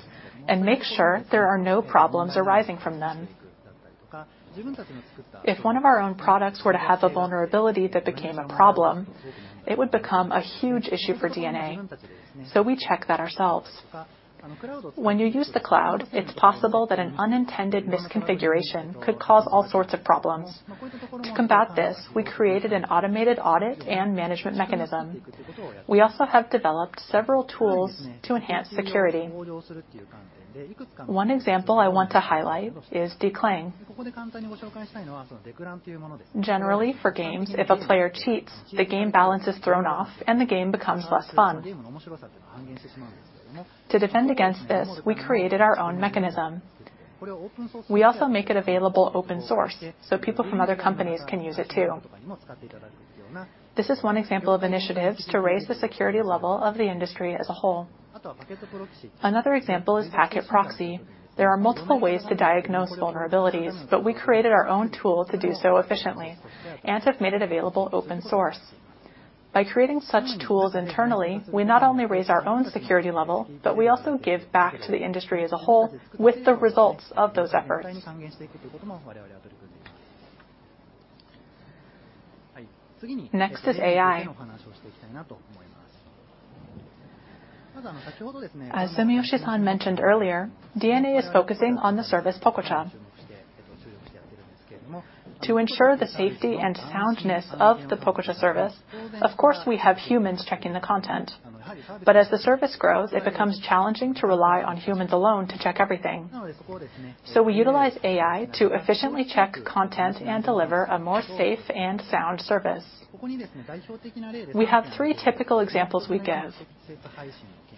and make sure there are no problems arising from them. If one of our own products were to have a vulnerability that became a problem, it would become a huge issue for DeNA, so we check that ourselves. When you use the cloud, it's possible that an unintended misconfiguration could cause all sorts of problems. To combat this, we created an automated audit and management mechanism. We also have developed several tools to enhance security. One example I want to highlight is DeClang. Generally, for games, if a player cheats, the game balance is thrown off and the game becomes less fun. To defend against this, we created our own mechanism. We also make it available open source so people from other companies can use it too. This is one example of initiatives to raise the security level of the industry as a whole. Another example is PacketProxy. There are multiple ways to diagnose vulnerabilities, but we created our own tool to do so efficiently and have made it available open source. By creating such tools internally, we not only raise our own security level, but we also give back to the industry as a whole with the results of those efforts. Next is AI. As Sumiyoshi-san mentioned earlier, DeNA is focusing on the service Pococha. To ensure the safety and soundness of the Pococha service, of course, we have humans checking the content, but as the service grows, it becomes challenging to rely on humans alone to check everything. We utilize AI to efficiently check content and deliver a more safe and sound service. We have three typical examples we give.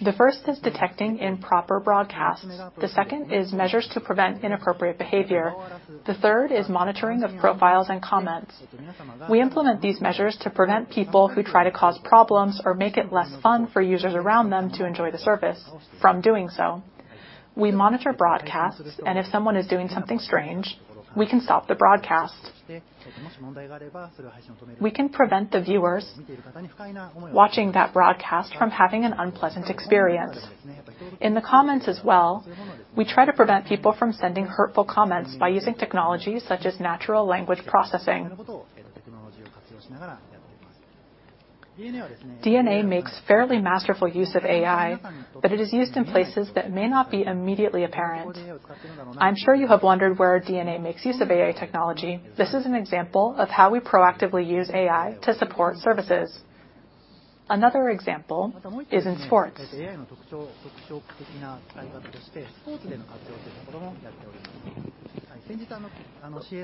The first is detecting improper broadcasts. The second is measures to prevent inappropriate behavior. The third is monitoring of profiles and comments. We implement these measures to prevent people who try to cause problems or make it less fun for users around them to enjoy the service from doing so. We monitor broadcasts, and if someone is doing something strange, we can stop the broadcast. We can prevent the viewers watching that broadcast from having an unpleasant experience. In the comments as well, we try to prevent people from sending hurtful comments by using technology such as natural language processing. DeNA makes fairly masterful use of AI, but it is used in places that may not be immediately apparent. I'm sure you have wondered where DeNA makes use of AI technology. This is an example of how we proactively use AI to support services. Another example is in sports.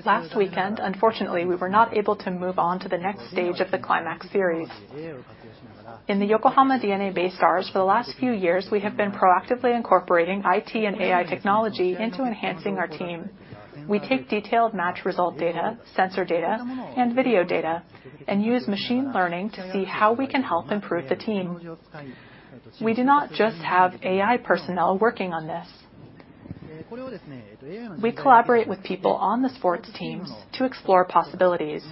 Last weekend, unfortunately, we were not able to move on to the next stage of the Climax Series. In the Yokohama DeNA BayStars, for the last few years, we have been proactively incorporating IT and AI technology into enhancing our team. We take detailed match result data, sensor data, and video data and use machine learning to see how we can help improve the team. We do not just have AI personnel working on this. We collaborate with people on the sports teams to explore possibilities.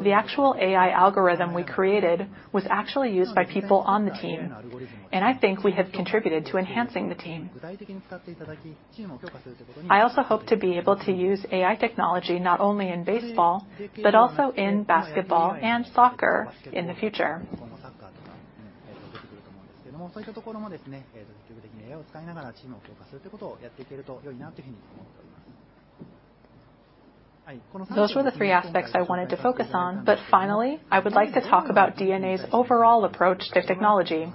The actual AI algorithm we created was actually used by people on the team, and I think we have contributed to enhancing the team. I also hope to be able to use AI technology not only in baseball, but also in basketball and soccer in the future. Those were the three aspects I wanted to focus on, but finally, I would like to talk about DeNA's overall approach to technology.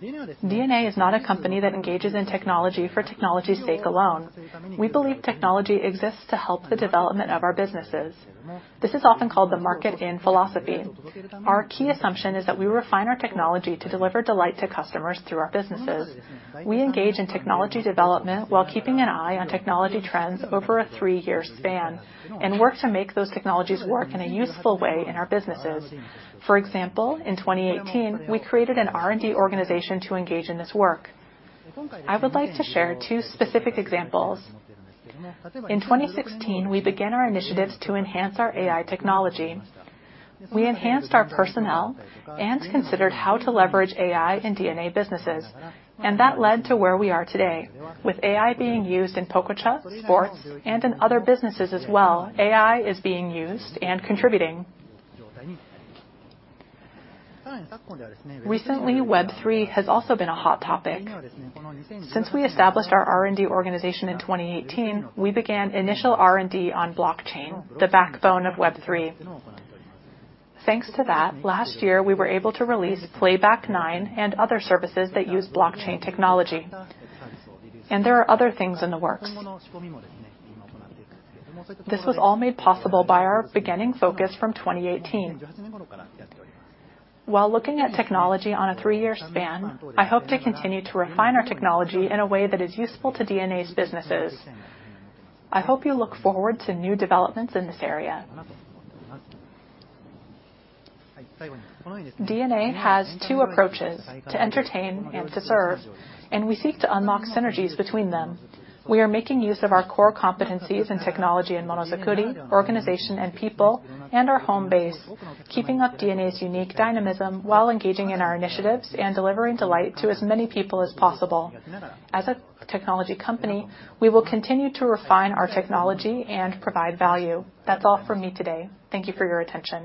DeNA is not a company that engages in technology for technology's sake alone. We believe technology exists to help the development of our businesses. This is often called the market in philosophy. Our key assumption is that we refine our technology to deliver delight to customers through our businesses. We engage in technology development while keeping an eye on technology trends over a 3-year span, and work to make those technologies work in a useful way in our businesses. For example, in 2018, we created an R&D organization to engage in this work. I would like to share two specific examples. In 2016, we began our initiatives to enhance our AI technology. We enhanced our personnel and considered how to leverage AI in DeNA businesses, and that led to where we are today. With AI being used in Pococha, Forbes, and in other businesses as well, AI is being used and contributing. Recently, Web3 has also been a hot topic. Since we established our R&D organization in 2018, we began initial R&D on blockchain, the backbone of Web3. Thanks to that, last year, we were able to release PLAYBACK 9 and other services that use blockchain technology, and there are other things in the works. This was all made possible by our beginning focus from 2018. While looking at technology on a 3-year span, I hope to continue to refine our technology in a way that is useful to DeNA's businesses. I hope you look forward to new developments in this area. DeNA has two approaches, to entertain and to serve, and we seek to unlock synergies between them. We are making use of our core competencies in technology and monozukuri, organization and people, and our home base, keeping up DeNA's unique dynamism while engaging in our initiatives and delivering delight to as many people as possible. As a technology company, we will continue to refine our technology and provide value. That's all from me today. Thank you for your attention.